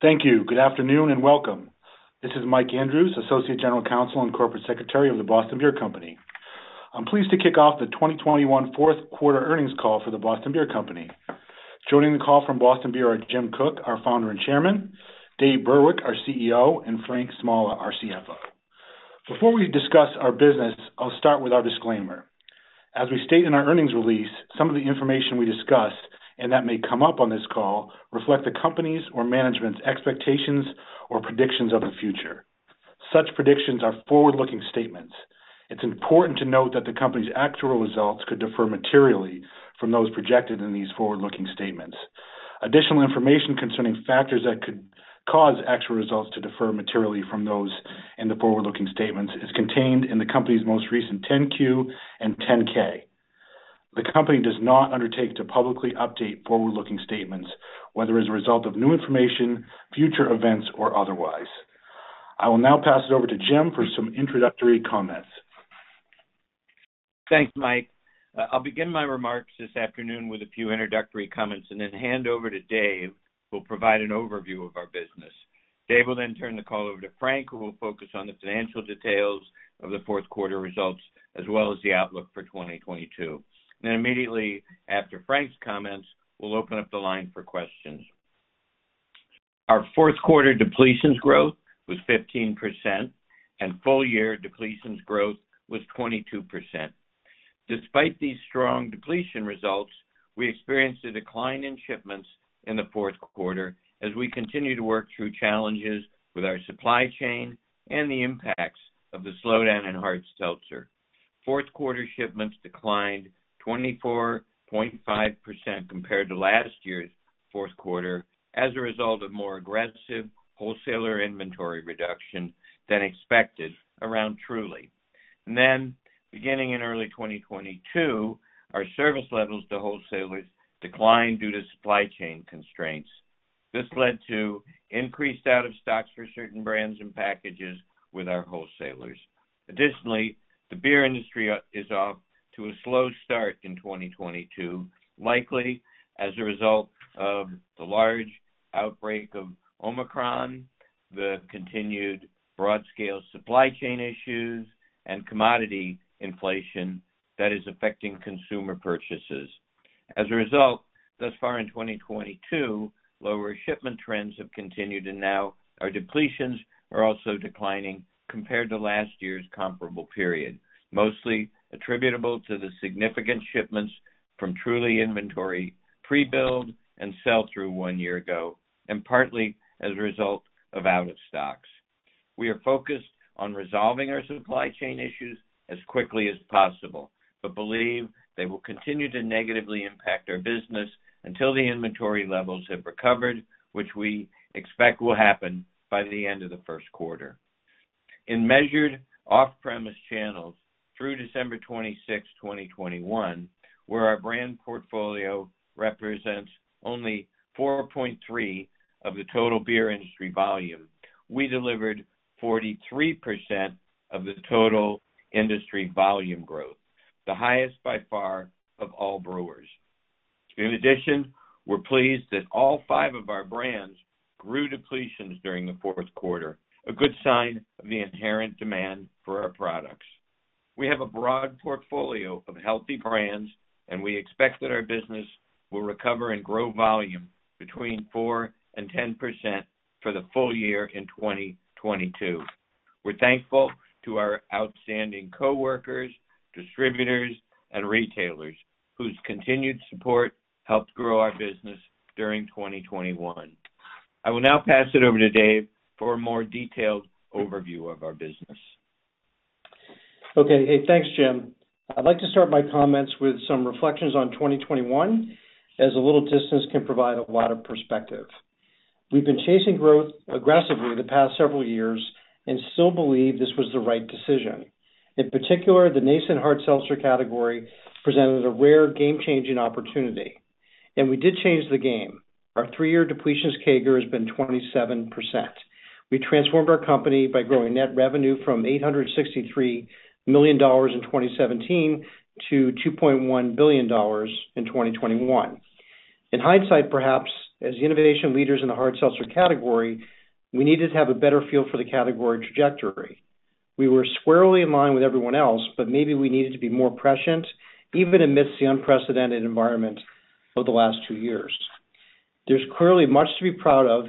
Thank you. Good afternoon, and welcome. This is Mike Andrews, Associate General Counsel and Corporate Secretary of The Boston Beer Company. I'm pleased to kick off the 2021 fourth quarter earnings call for The Boston Beer Company. Joining the call from Boston Beer are Jim Koch, our Founder and Chairman, Dave Burwick, our CEO, and Frank Smola, our CFO. Before we discuss our business, I'll start with our disclaimer. As we state in our earnings release, some of the information we discussed and that may come up on this call reflect the company's or management's expectations or predictions of the future. Such predictions are forward-looking statements. It's important to note that the company's actual results could differ materially from those projected in these forward-looking statements. Additional information concerning factors that could cause actual results to differ materially from those in the forward-looking statements is contained in the company's most recent 10-Q and 10-K. The company does not undertake to publicly update forward-looking statements, whether as a result of new information, future events, or otherwise. I will now pass it over to Jim for some introductory comments. Thanks, Mike. I'll begin my remarks this afternoon with a few introductory comments, and then hand over to Dave, who will provide an overview of our business. Dave will then turn the call over to Frank, who will focus on the financial details of the fourth quarter results as well as the outlook for 2022. Immediately after Frank's comments, we'll open up the line for questions. Our fourth quarter depletions growth was 15%, and full year depletions growth was 22%. Despite these strong depletion results, we experienced a decline in shipments in the fourth quarter as we continue to work through challenges with our supply chain and the impacts of the slowdown in hard seltzer. Fourth quarter shipments declined 24.5% compared to last year's fourth quarter as a result of more aggressive wholesaler inventory reduction than expected around Truly. Beginning in early 2022, our service levels to wholesalers declined due to supply chain constraints. This led to increased out of stocks for certain brands and packages with our wholesalers. Additionally, the beer industry is off to a slow start in 2022, likely as a result of the large outbreak of Omicron, the continued broad scale supply chain issues, and commodity inflation that is affecting consumer purchases. As a result, thus far in 2022, lower shipment trends have continued, and now our depletions are also declining compared to last year's comparable period. Mostly attributable to the significant shipments from Truly inventory pre-billed and sell through one year ago, and partly as a result of out of stocks. We are focused on resolving our supply chain issues as quickly as possible, but believe they will continue to negatively impact our business until the inventory levels have recovered, which we expect will happen by the end of the first quarter. In measured off-premise channels through December 26, 2021, where our brand portfolio represents only 4.3% of the total beer industry volume, we delivered 43% of the total industry volume growth, the highest by far of all brewers. In addition, we're pleased that all five of our brands grew depletions during the fourth quarter, a good sign of the inherent demand for our products. We have a broad portfolio of healthy brands, and we expect that our business will recover and grow volume between 4%-10% for the full year in 2022. We're thankful to our outstanding coworkers, distributors, and retailers whose continued support helped grow our business during 2021. I will now pass it over to Dave for a more detailed overview of our business. Okay. Hey, thanks, Jim. I'd like to start my comments with some reflections on 2021, as a little distance can provide a lot of perspective. We've been chasing growth aggressively the past several years and still believe this was the right decision. In particular, the nascent hard seltzer category presented a rare game-changing opportunity, and we did change the game. Our three-year depletions CAGR has been 27%. We transformed our company by growing net revenue from $863 million in 2017 to $2.1 billion in 2021. In hindsight, perhaps as innovation leaders in the hard seltzer category, we needed to have a better feel for the category trajectory. We were squarely in line with everyone else, but maybe we needed to be more prescient, even amidst the unprecedented environment of the last two years. There's clearly much to be proud of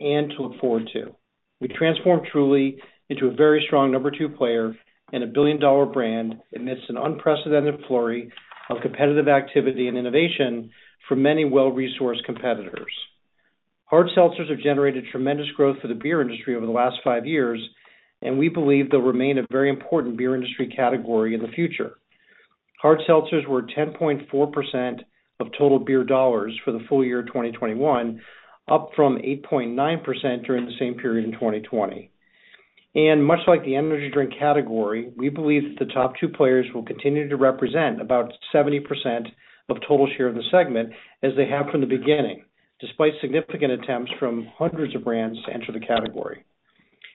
and to look forward to. We transformed Truly into a very strong number two player and a billion-dollar brand amidst an unprecedented flurry of competitive activity and innovation for many well-resourced competitors. Hard seltzers have generated tremendous growth for the beer industry over the last five years, and we believe they'll remain a very important beer industry category in the future. Hard seltzers were 10.4% of total beer dollars for the full year 2021, up from 8.9% during the same period in 2020. Much like the energy drink category, we believe that the top two players will continue to represent about 70% of total share of the segment as they have from the beginning, despite significant attempts from hundreds of brands to enter the category.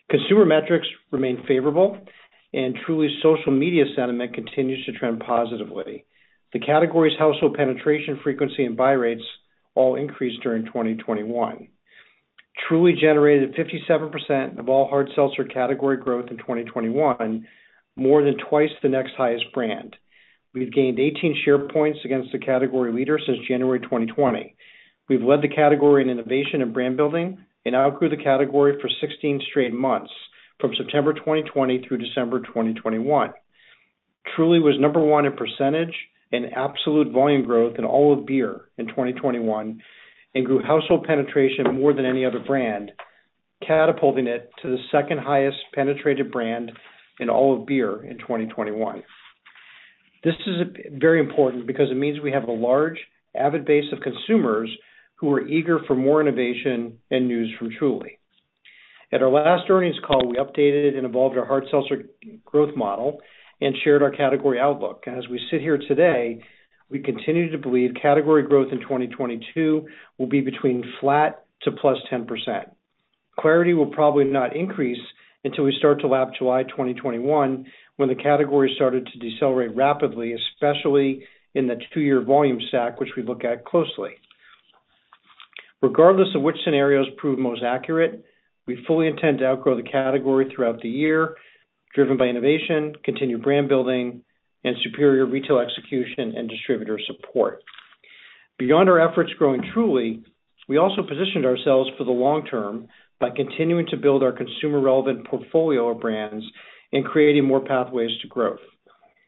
Consumer metrics remain favorable, and Truly social media sentiment continues to trend positively. The category's household penetration frequency and buy rates all increased during 2021. Truly generated 57% of all hard seltzer category growth in 2021, more than twice the next highest brand. We've gained 18 share points against the category leader since January 2020. We've led the category in innovation and brand building and outgrew the category for 16 straight months from September 2020 through December 2021. Truly was number one in percentage and absolute volume growth in all of beer in 2021, and grew household penetration more than any other brand, catapulting it to the second highest penetrated brand in all of beer in 2021. This is very important because it means we have a large, avid base of consumers who are eager for more innovation and news from Truly. At our last earnings call, we updated and evolved our hard seltzer growth model and shared our category outlook. As we sit here today, we continue to believe category growth in 2022 will be between flat to +10%. Clarity will probably not increase until we start to lap July 2021, when the category started to decelerate rapidly, especially in the two-year volume stack, which we look at closely. Regardless of which scenarios prove most accurate, we fully intend to outgrow the category throughout the year, driven by innovation, continued brand building, and superior retail execution and distributor support. Beyond our efforts growing Truly, we also positioned ourselves for the long term by continuing to build our consumer relevant portfolio of brands and creating more pathways to growth.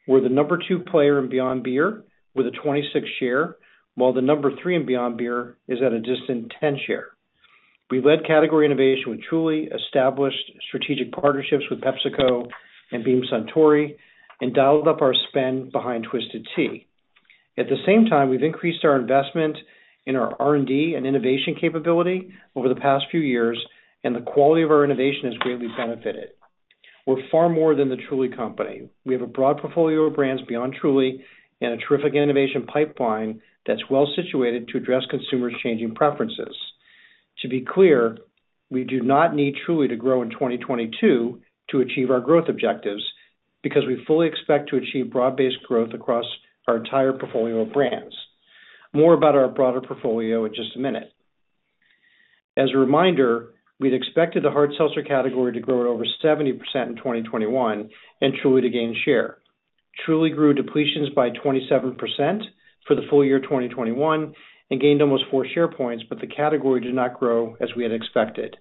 We're the number two player in Beyond Beer with a 26% share, while the number three in Beyond Beer is at a distant 10% share. We led category innovation with Truly, established strategic partnerships with PepsiCo and Beam Suntory, and dialed up our spend behind Twisted Tea. At the same time, we've increased our investment in our R&D and innovation capability over the past few years, and the quality of our innovation has greatly benefited. We're far more than the Truly company. We have a broad portfolio of brands beyond Truly and a terrific innovation pipeline that's well-situated to address consumers' changing preferences. To be clear, we do not need Truly to grow in 2022 to achieve our growth objectives, because we fully expect to achieve broad-based growth across our entire portfolio of brands. More about our broader portfolio in just a minute. As a reminder, we'd expected the hard seltzer category to grow at over 70% in 2021 and Truly to gain share. Truly grew depletions by 27% for the full year 2021 and gained almost four share points, but the category did not grow as we had expected.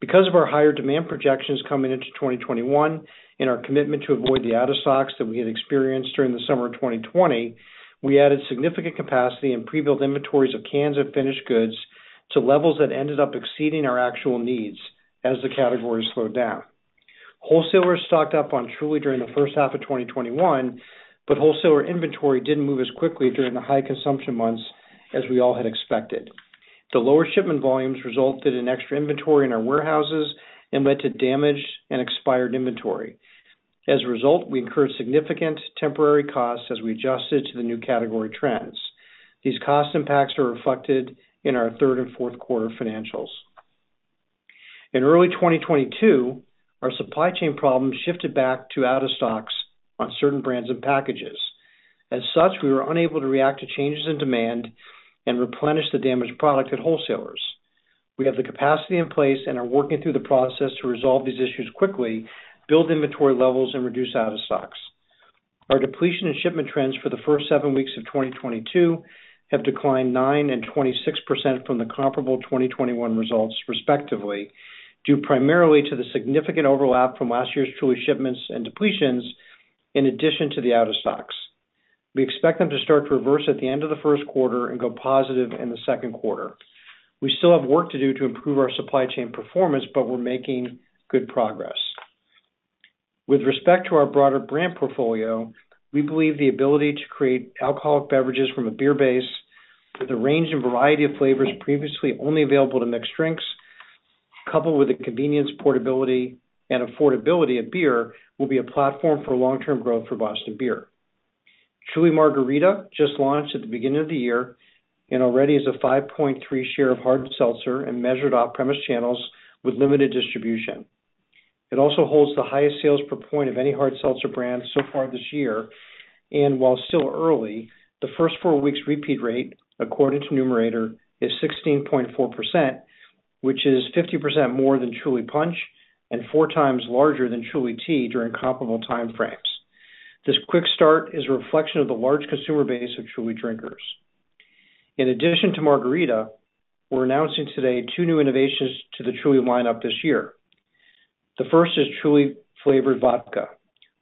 Because of our higher demand projections coming into 2021 and our commitment to avoid the out of stocks that we had experienced during the summer of 2020, we added significant capacity and pre-built inventories of cans and finished goods to levels that ended up exceeding our actual needs as the category slowed down. Wholesalers stocked up on Truly during the first half of 2021, but wholesaler inventory didn't move as quickly during the high consumption months as we all had expected. The lower shipment volumes resulted in extra inventory in our warehouses and led to damaged and expired inventory. As a result, we incurred significant temporary costs as we adjusted to the new category trends. These cost impacts are reflected in our third and fourth quarter financials. In early 2022, our supply chain problems shifted back to out of stocks on certain brands and packages. As such, we were unable to react to changes in demand and replenish the damaged product at wholesalers. We have the capacity in place and are working through the process to resolve these issues quickly, build inventory levels, and reduce out of stocks. Our depletion and shipment trends for the first seven weeks of 2022 have declined 9% and 26% from the comparable 2021 results, respectively, due primarily to the significant overlap from last year's Truly shipments and depletions, in addition to the out of stocks. We expect them to start to reverse at the end of the first quarter and go positive in the second quarter. We still have work to do to improve our supply chain performance, but we're making good progress. With respect to our broader brand portfolio, we believe the ability to create alcoholic beverages from a beer base with a range and variety of flavors previously only available to mixed drinks, coupled with the convenience, portability, and affordability of beer will be a platform for long-term growth for Boston Beer. Truly Margarita just launched at the beginning of the year and already is a 5.3% share of hard seltzer in measured off-premise channels with limited distribution. It also holds the highest sales per point of any hard seltzer brand so far this year. While still early, the first 4 weeks repeat rate, according to Numerator, is 16.4%, which is 50% more than Truly Punch and 4 times larger than Truly Iced Tea during comparable time frames. This quick start is a reflection of the large consumer base of Truly drinkers. In addition to Margarita, we're announcing today 2 new innovations to the Truly lineup this year. The first is Truly Flavored Vodka,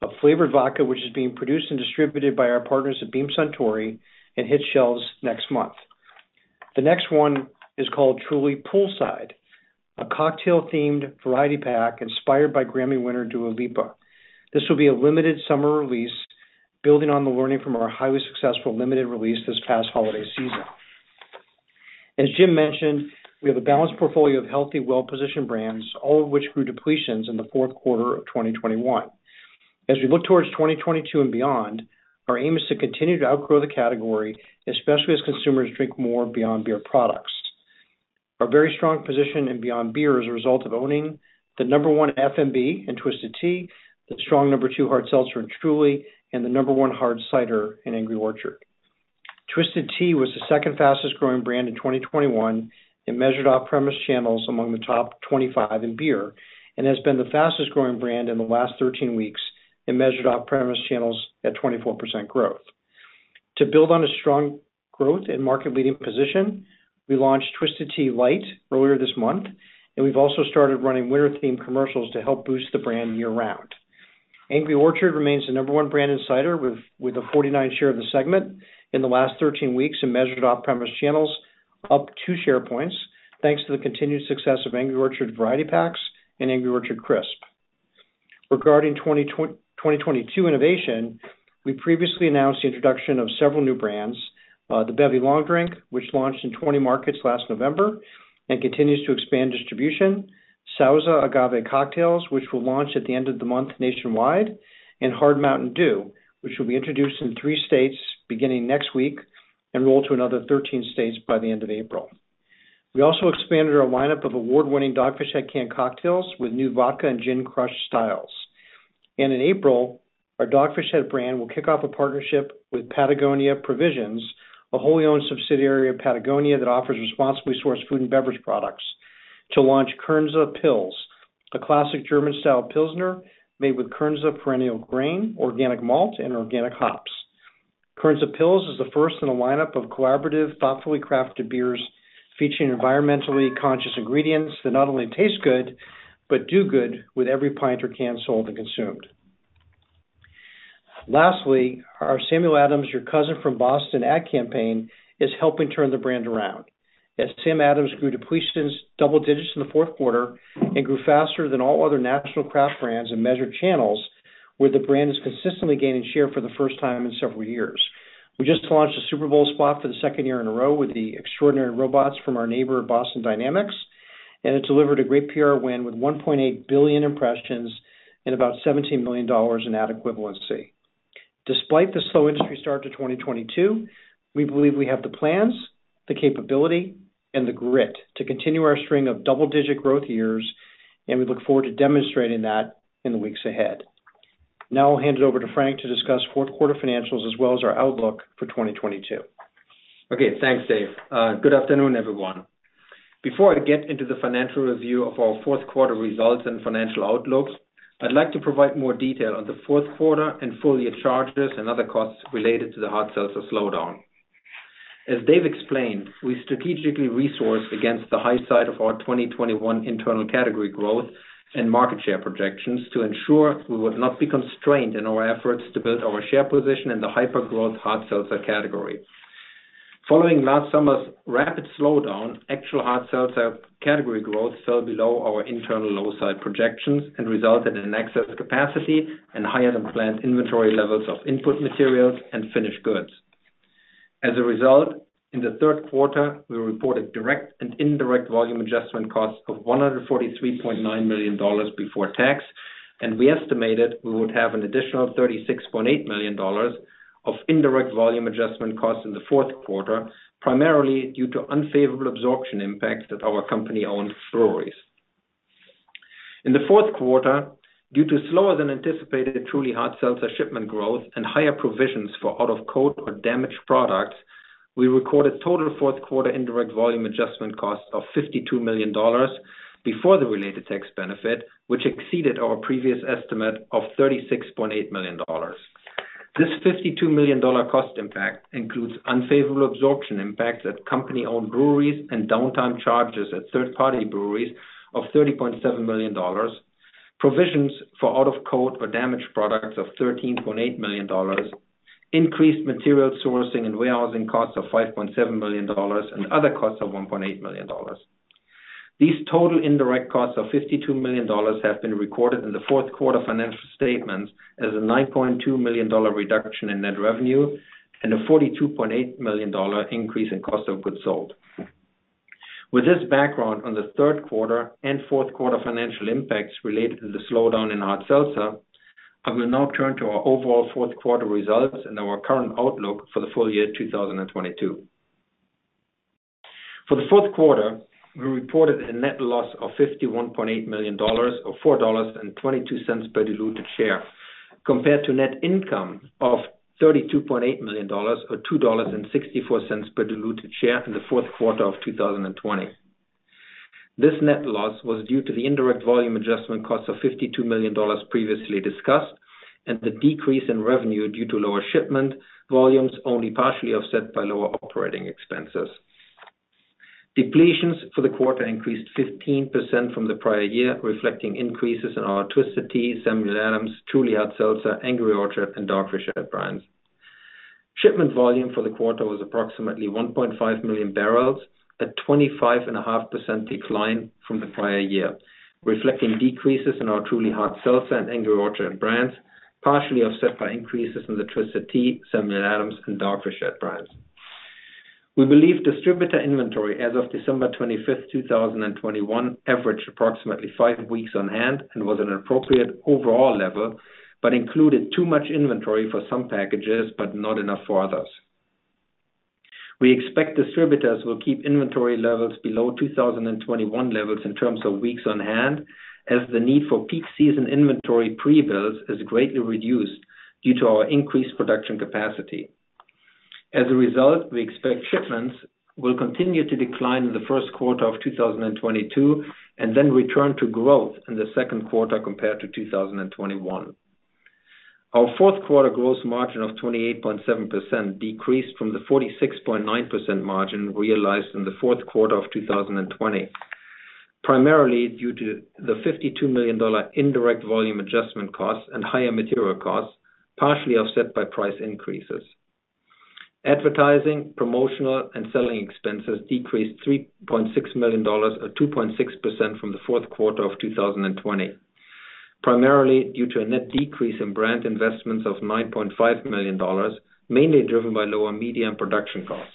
a flavored vodka which is being produced and distributed by our partners at Beam Suntory and hits shelves next month. The next one is called Truly Poolside, a cocktail-themed variety pack inspired by Grammy winner Dua Lipa. This will be a limited summer release building on the learning from our highly successful limited release this past holiday season. As Jim mentioned, we have a balanced portfolio of healthy, well-positioned brands, all of which grew depletions in the fourth quarter of 2021. As we look towards 2022 and beyond, our aim is to continue to outgrow the category, especially as consumers drink more beyond beer products. Our very strong position in Beyond Beer is a result of owning the number 1 FMB in Twisted Tea, the strong number 2 hard seltzer in Truly, and the number 1 hard cider in Angry Orchard. Twisted Tea was the second fastest growing brand in 2021, in measured off-premise channels among the top 25 in beer, and has been the fastest growing brand in the last 13 weeks, in measured off-premise channels at 24% growth. To build on a strong growth and market leading position, we launched Twisted Tea Light earlier this month, and we've also started running winter-themed commercials to help boost the brand year-round. Angry Orchard remains the number one brand in cider with a 49% share of the segment in the last 13 weeks in measured off-premise channels, up 2 share points thanks to the continued success of Angry Orchard variety packs and Angry Orchard Crisp. Regarding 2022 innovation, we previously announced the introduction of several new brands, the Bevy Long Drink, which launched in 20 markets last November and continues to expand distribution. Sauza Agave Cocktails, which will launch at the end of the month nationwide, and Hard MTN DEW, which will be introduced in 3 states beginning next week and roll to another 13 states by the end of April. We also expanded our lineup of award-winning Dogfish Head Canned Cocktails with new vodka and gin crush styles. In April, our Dogfish Head brand will kick off a partnership with Patagonia Provisions, a wholly owned subsidiary of Patagonia that offers responsibly sourced food and beverage products to launch Kernza Pils, a classic German-style pilsner made with Kernza perennial grain, organic malt, and organic hops. Kernza Pils is the first in a lineup of collaborative, thoughtfully crafted beers featuring environmentally conscious ingredients that not only taste good, but do good with every pint or can sold and consumed. Lastly, our Samuel Adams, Your Cousin from Boston ad campaign is helping turn the brand around. As Sam Adams depletions grew double digits in the fourth quarter and grew faster than all other national craft brands in measured channels, where the brand is consistently gaining share for the first time in several years. We just launched a Super Bowl spot for the second year in a row with the extraordinary robots from our neighbor, Boston Dynamics, and it delivered a great PR win with 1.8 billion impressions and about $17 million in ad equivalency. Despite the slow industry start to 2022, we believe we have the plans, the capability, and the grit to continue our string of double-digit growth years, and we look forward to demonstrating that in the weeks ahead. Now I'll hand it over to Frank to discuss fourth quarter financials as well as our outlook for 2022. Okay, thanks, Dave. Good afternoon, everyone. Before I get into the financial review of our fourth quarter results and financial outlooks, I'd like to provide more detail on the fourth quarter and full-year charges and other costs related to the hard seltzer slowdown. As Dave explained, we strategically resourced against the high side of our 2021 internal category growth and market share projections to ensure we would not be constrained in our efforts to build our share position in the hyper-growth hard seltzer category. Following last summer's rapid slowdown, actual hard seltzer category growth fell below our internal low side projections and resulted in excess capacity and higher-than-planned inventory levels of input materials and finished goods. As a result, in the third quarter, we reported direct and indirect volume adjustment costs of $143.9 million before tax, and we estimated we would have an additional $36.8 million of indirect volume adjustment costs in the fourth quarter, primarily due to unfavorable absorption impacts at our company-owned breweries. In the fourth quarter, due to slower-than-anticipated Truly Hard Seltzer shipment growth and higher provisions for out-of-code or damaged products, we recorded total fourth quarter indirect volume adjustment costs of $52 million before the related tax benefit, which exceeded our previous estimate of $36.8 million. This $52 million cost impact includes unfavorable absorption impacts at company-owned breweries and downtime charges at third-party breweries of $30.7 million, provisions for out-of-code or damaged products of $13.8 million. Increased material sourcing and warehousing costs of $5.7 million, and other costs of $1.8 million. These total indirect costs of $52 million have been recorded in the fourth quarter financial statements as a $9.2 million reduction in net revenue and a $42.8 million increase in cost of goods sold. With this background on the third quarter and fourth quarter financial impacts related to the slowdown in hard seltzer, I will now turn to our overall fourth quarter results and our current outlook for the full year 2022. For the fourth quarter, we reported a net loss of $51.8 million or $4.22 per diluted share, compared to net income of $32.8 million or $2.64 per diluted share in the fourth quarter of 2020. This net loss was due to the indirect volume adjustment costs of $52 million previously discussed and the decrease in revenue due to lower shipment volumes, only partially offset by lower operating expenses. Depletions for the quarter increased 15% from the prior year, reflecting increases in our Twisted Tea, Samuel Adams, Truly Hard Seltzer, Angry Orchard, and Dogfish Head brands. Shipment volume for the quarter was approximately 1.5 million barrels at 25.5% decline from the prior year, reflecting decreases in our Truly Hard Seltzer and Angry Orchard brands, partially offset by increases in the Twisted Tea, Samuel Adams, and Dogfish Head brands. We believe distributor inventory as of December 25, 2021 averaged approximately five weeks on hand and was an appropriate overall level, but included too much inventory for some packages, but not enough for others. We expect distributors will keep inventory levels below 2021 levels in terms of weeks on hand, as the need for peak season inventory pre-builds is greatly reduced due to our increased production capacity. As a result, we expect shipments will continue to decline in the first quarter of 2022 and then return to growth in the second quarter compared to 2021. Our fourth quarter gross margin of 28.7% decreased from the 46.9% margin realized in the fourth quarter of 2020, primarily due to the $52 million indirect volume adjustment costs and higher material costs, partially offset by price increases. Advertising, promotional, and selling expenses decreased $3.6 million or 2.6% from the fourth quarter of 2020, primarily due to a net decrease in brand investments of $9.5 million, mainly driven by lower media and production costs,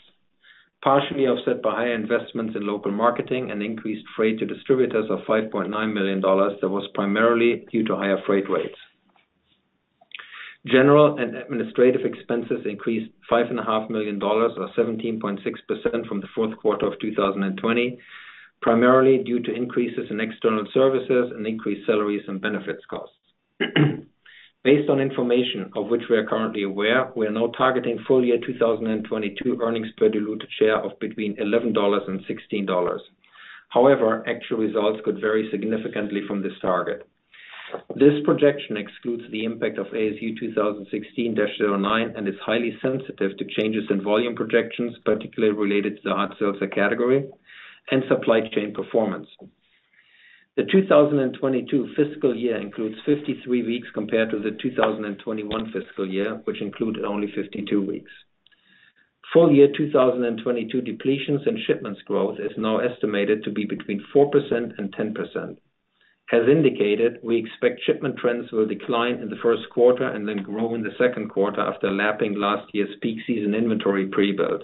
partially offset by higher investments in local marketing and increased freight to distributors of $5.9 million that was primarily due to higher freight rates. General and administrative expenses increased $5.5 million or 17.6% from the fourth quarter of 2020, primarily due to increases in external services and increased salaries and benefits costs. Based on information of which we are currently aware, we are now targeting full year 2022 earnings per diluted share of between $11 and $16. However, actual results could vary significantly from this target. This projection excludes the impact of ASU 2016-09 and is highly sensitive to changes in volume projections, particularly related to the hard seltzer category and supply chain performance. The 2022 fiscal year includes 53 weeks compared to the 2021 fiscal year, which included only 52 weeks. Full year 2022 depletions and shipments growth is now estimated to be between 4% and 10%. As indicated, we expect shipment trends will decline in the first quarter and then grow in the second quarter after lapping last year's peak season inventory pre-build.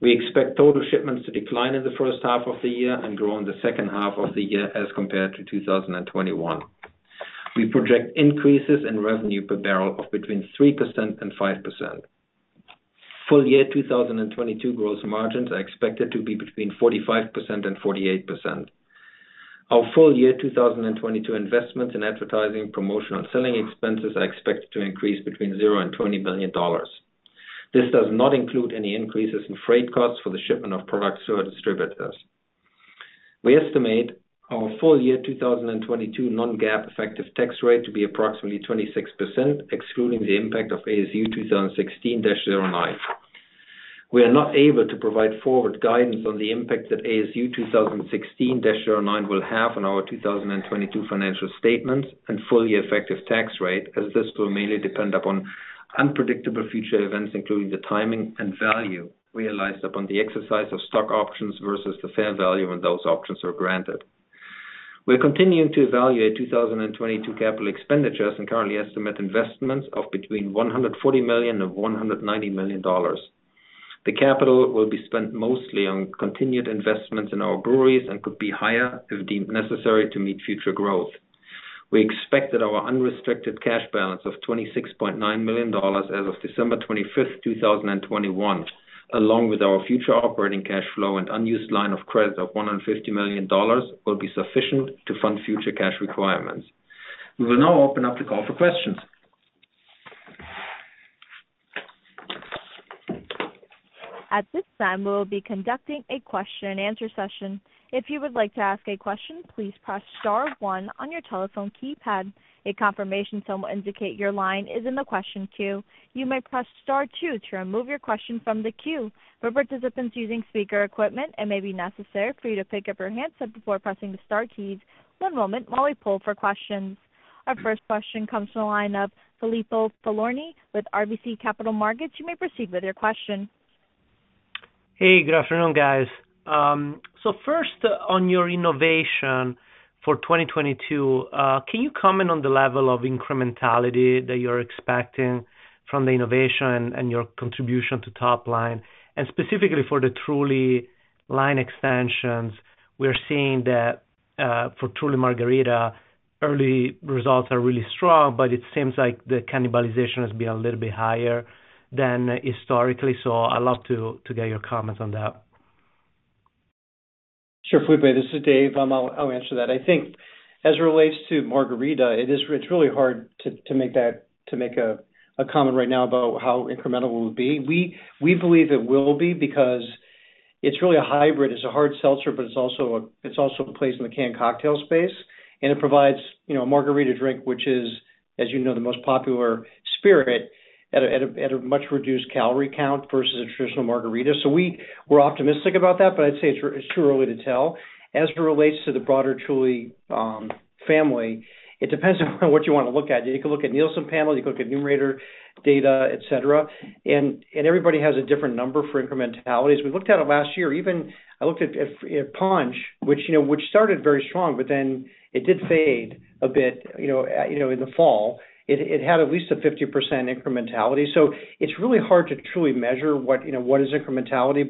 We expect total shipments to decline in the first half of the year and grow in the second half of the year as compared to 2021. We project increases in revenue per barrel of between 3% and 5%. Full year 2022 gross margins are expected to be between 45% and 48%. Our full year 2022 investments in advertising, promotional, and selling expenses are expected to increase between $0 and $20 million. This does not include any increases in freight costs for the shipment of products to our distributors. We estimate our full year 2022 non-GAAP effective tax rate to be approximately 26%, excluding the impact of ASU 2016-09. We are not able to provide forward guidance on the impact that ASU 2016-09 will have on our 2022 financial statements and full year effective tax rate, as this will mainly depend upon unpredictable future events, including the timing and value realized upon the exercise of stock options versus the fair value when those options are granted. We're continuing to evaluate 2022 capital expenditures and currently estimate investments of between $140 million and $190 million. The capital will be spent mostly on continued investments in our breweries and could be higher if deemed necessary to meet future growth. We expect that our unrestricted cash balance of $26.9 million as of December 25, 2021, along with our future operating cash flow and unused line of credit of $150 million will be sufficient to fund future cash requirements. We will now open up the call for questions. At this time will be conducting a question-and-answer session. If you would like to ask a question please press star one on your telephone keypad. A confirmation [inaudible] indicate your line is in the question que, you may press star two to remove your question from the que [inaudible] Our first question comes from the line of Filippo Falorni with RBC Capital Markets. You may proceed with your question. Hey, good afternoon, guys. First on your innovation for 2022, can you comment on the level of incrementality that you're expecting from the innovation and your contribution to top line? And specifically for the Truly line extensions, we're seeing that for Truly Margarita, early results are really strong, but it seems like the cannibalization has been a little bit higher than historically. I'd love to get your comments on that. Sure, Filippo. This is Dave. I'll answer that. I think as it relates to Margarita, it's really hard to make a comment right now about how incremental it will be. We believe it will be because it's really a hybrid. It's a hard seltzer, but it also plays in the canned cocktail space, and it provides, you know, a margarita drink, which is, as you know, the most popular spirit at a much reduced calorie count versus a traditional margarita. We're optimistic about that, but I'd say it's too early to tell. As it relates to the broader Truly family, it depends on what you wanna look at. You can look at Nielsen panel, you can look at Numerator data, et cetera. Everybody has a different number for incrementality. As we looked at it last year, even I looked at Punch, which, you know, started very strong, but then it did fade a bit, you know, in the fall. It had at least a 50% incrementality. It's really hard to truly measure what, you know, is incrementality.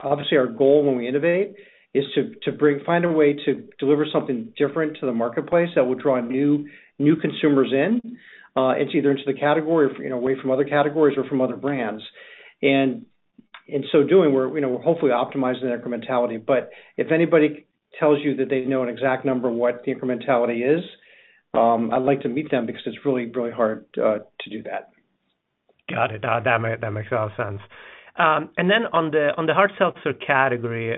Obviously, our goal when we innovate is to find a way to deliver something different to the marketplace that will draw new consumers in. It's either into the category or, you know, away from other categories or from other brands. In so doing, we're, you know, hopefully optimizing the incrementality. But if anybody tells you that they know an exact number what the incrementality is, I'd like to meet them because it's really, really hard to do that. Got it. That makes a lot of sense. On the hard seltzer category,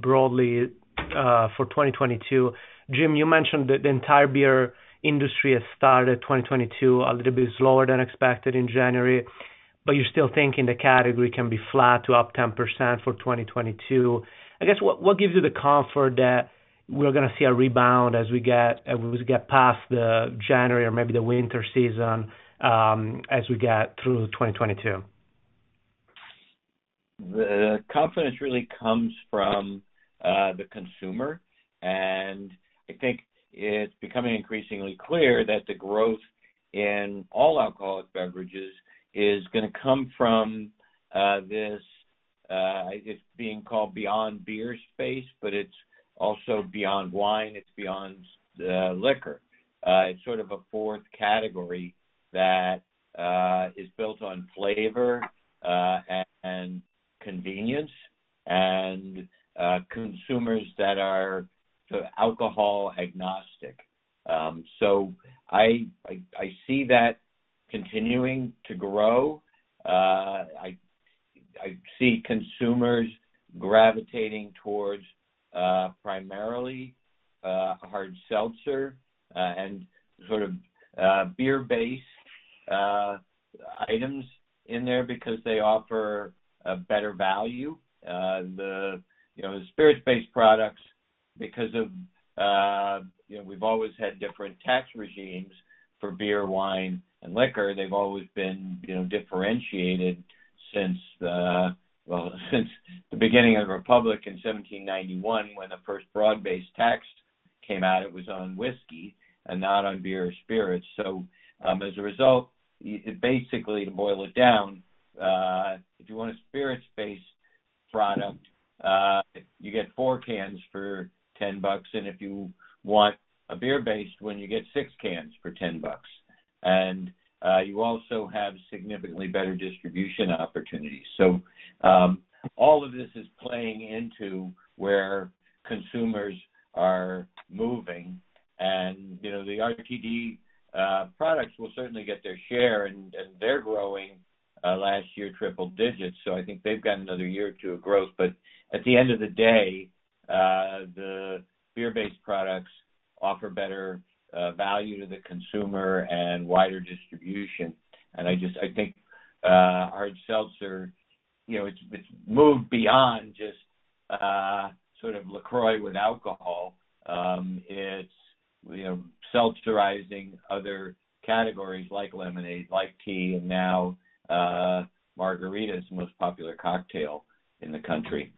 broadly, for 2022, Jim, you mentioned that the entire beer industry has started 2022 a little bit slower than expected in January, but you're still thinking the category can be flat to up 10% for 2022. I guess, what gives you the comfort that we're gonna see a rebound as we get past the January or maybe the winter season, as we get through 2022? The confidence really comes from the consumer. I think it's becoming increasingly clear that the growth in all alcoholic beverages is gonna come from this, it's being called Beyond Beer space, but it's also beyond wine, it's beyond the liquor. It's sort of a fourth category that is built on flavor and convenience and consumers that are sort of alcohol agnostic. I see that continuing to grow. I see consumers gravitating towards primarily hard seltzer and sort of beer-based items in there because they offer a better value. You know, spirit-based products because of you know, we've always had different tax regimes for beer, wine, and liquor. They've always been you know, differentiated since the Well, since the beginning of the republic in 1791, when the first broad-based tax came out, it was on whiskey and not on beer or spirits. As a result, basically, to boil it down, if you want a spirits-based product, you get 4 cans for $10, and if you want a beer-based one, you get 6 cans for $10. You also have significantly better distribution opportunities. All of this is playing into where consumers are moving. You know, the RTD products will certainly get their share, and they're growing last year triple digits, so I think they've got another year or two of growth. At the end of the day, the beer-based products offer better value to the consumer and wider distribution. I just. I think hard seltzer, you know, it's moved beyond just sort of LaCroix with alcohol. It's, you know, seltzerizing other categories like lemonade, like tea, and now margarita is the most popular cocktail in the country.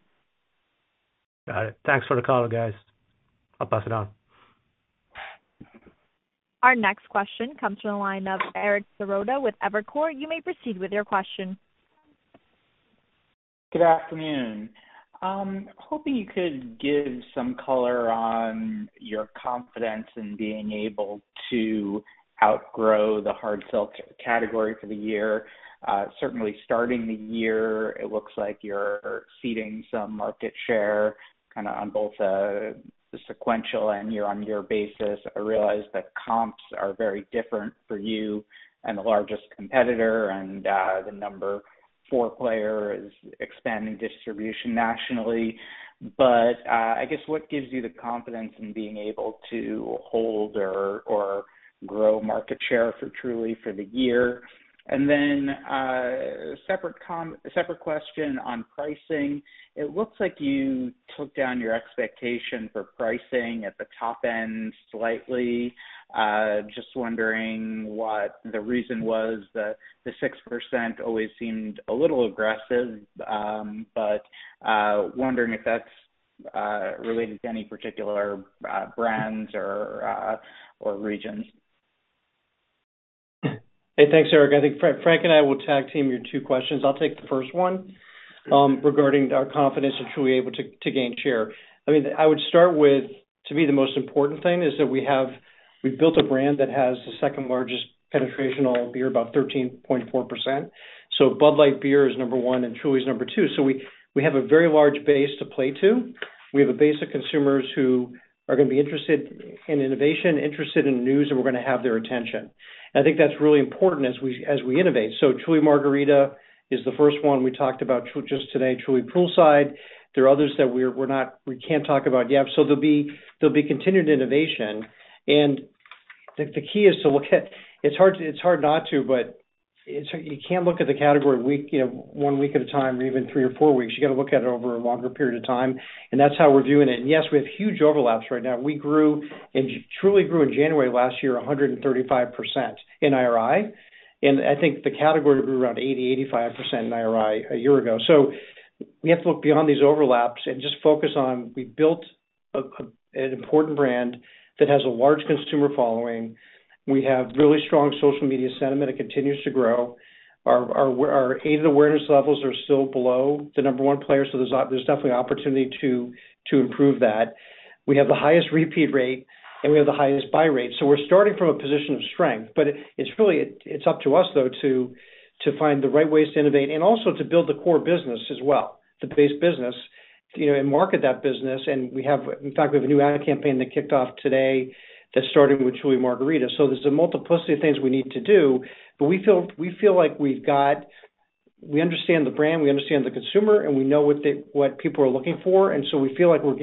Got it. Thanks for the call, guys. I'll pass it on. Our next question comes from the line of Eric Serotta with Evercore. You may proceed with your question. Good afternoon. Hoping you could give some color on your confidence in being able to outgrow the hard seltzer category for the year. Certainly starting the year, it looks like you're ceding some market share kinda on both the sequential and year-on-year basis. I realize that comps are very different for you and the largest competitor, and the number four player is expanding distribution nationally. I guess what gives you the confidence in being able to hold or grow market share for Truly for the year? And then separate question on pricing. It looks like you took down your expectation for pricing at the top end slightly. Just wondering what the reason was. The 6% always seemed a little aggressive, but wondering if that's related to any particular brands or regions. Hey, thanks, Eric. I think Frank and I will tag-team your two questions. I'll take the first one regarding our confidence if we'll be able to gain share. I mean, I would start with, to me the most important thing is that we've built a brand that has the second-largest penetration in beer, about 13.4%. Bud Light is number 1, and Truly is number 2. We have a very large base to play to. We have a base of consumers who are gonna be interested in innovation, interested in news, and we're gonna have their attention. I think that's really important as we innovate. Truly Margarita is the first one we talked about just today, Truly Poolside. There are others that we can't talk about yet. There'll be continued innovation. The key is to look at. It's hard not to, but you can't look at the category week, you know, one week at a time or even three or four weeks. You gotta look at it over a longer period of time, and that's how we're viewing it. Yes, we have huge overlaps right now. We grew, and Truly grew in January last year 135% in IRI. I think the category grew around 80-85% in IRI a year ago. We have to look beyond these overlaps and just focus on. We've built an important brand that has a large consumer following. We have really strong social media sentiment. It continues to grow. Our aided awareness levels are still below the number one player, so there's definitely opportunity to improve that. We have the highest repeat rate, and we have the highest buy rate. We're starting from a position of strength, but it's really, it's up to us, though, to find the right ways to innovate and also to build the core business as well, the base business. You know, market that business. We have in fact a new ad campaign that kicked off today that started with Truly Margarita. There's a multiplicity of things we need to do, but we feel like we've got. We understand the brand, we understand the consumer, and we know what people are looking for. We feel like we're,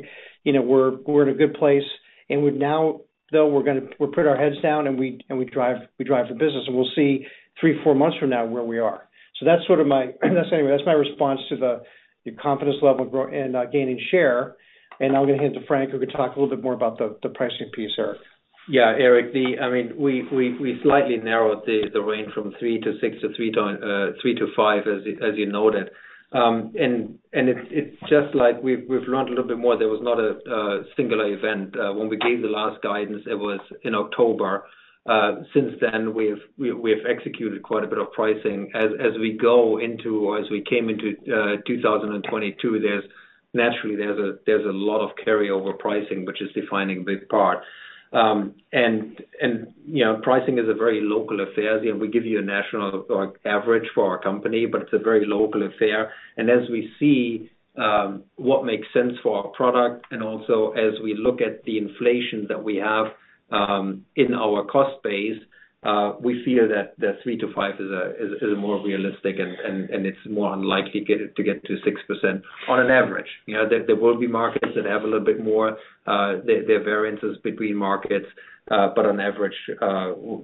you know, in a good place. We've now, though we're gonna put our heads down, and we drive the business, and we'll see 3, 4 months from now where we are. That's sort of my, that's anyway, that's my response to the confidence level growing and gaining share. Now I'm gonna hand to Frank, who can talk a little bit more about the pricing piece here. Yeah, Eric, I mean, we slightly narrowed the range from 3-6 to 3-5, as you noted. It's just like we've learned a little bit more. There was not a singular event. When we gave the last guidance, it was in October. Since then, we have executed quite a bit of pricing. As we came into 2022, there's naturally a lot of carryover pricing, which is defining a big part. You know, pricing is a very local affair. You know, we give you a national average for our company, but it's a very local affair. As we see what makes sense for our product, and also as we look at the inflation that we have in our cost base, we feel that the 3%-5% is more realistic and it's more unlikely to get to 6% on average. There will be markets that have a little bit more, there are variances between markets, but on average,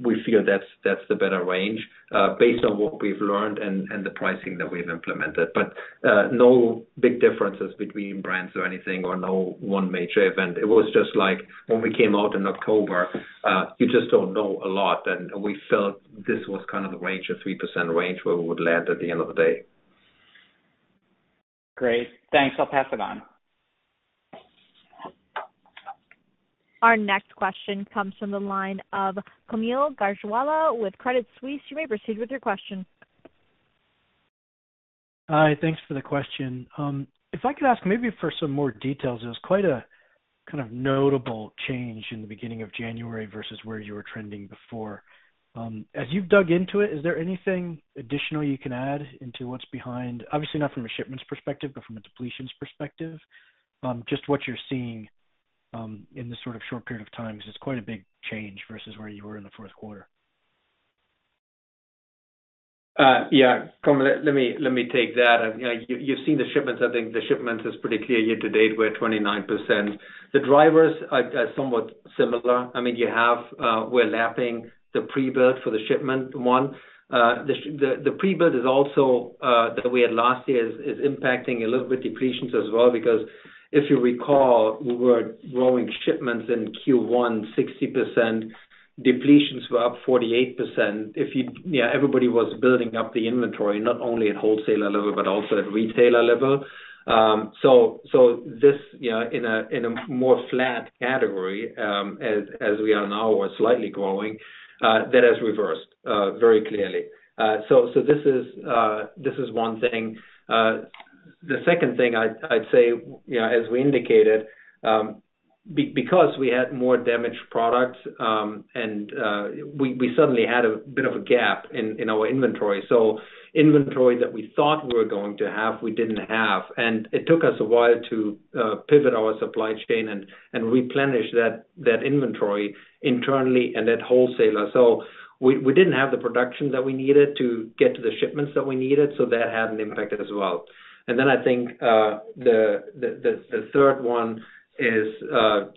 we feel that's the better range based on what we've learned and the pricing that we've implemented. No big differences between brands or anything or no one major event. It was just like when we came out in October, you just don't know a lot, and we felt this was kind of the range of 3% range where we would land at the end of the day. Great. Thanks. I'll pass it on. Our next question comes from the line of Kaumil Gajrawala with Credit Suisse. You may proceed with your question. Hi. Thanks for the question. If I could ask maybe for some more details, it was quite a kind of notable change in the beginning of January versus where you were trending before. As you've dug into it, is there anything additional you can add into what's behind, obviously not from a shipments perspective, but from a depletions perspective, just what you're seeing in this sort of short period of time? Because it's quite a big change versus where you were in the fourth quarter. Yeah. Kaumil, let me take that. You've seen the shipments. I think the shipments is pretty clear. Year to date, we're at 29%. The drivers are somewhat similar. I mean, you have, we're lapping the pre-build for the shipment one. The pre-build is also that we had last year is impacting a little bit depletions as well because if you recall, we were growing shipments in Q1 60%. Depletions were up 48%. Yeah, everybody was building up the inventory, not only at wholesaler level, but also at retailer level. So this, you know, in a more flat category, as we are now or slightly growing, that has reversed very clearly. So this is one thing. The second thing I'd say, you know, as we indicated, because we had more damaged products, and we suddenly had a bit of a gap in our inventory. Inventory that we thought we were going to have, we didn't have. It took us a while to pivot our supply chain and replenish that inventory internally and at wholesaler. We didn't have the production that we needed to get to the shipments that we needed, so that had an impact as well. Then I think the third one is, you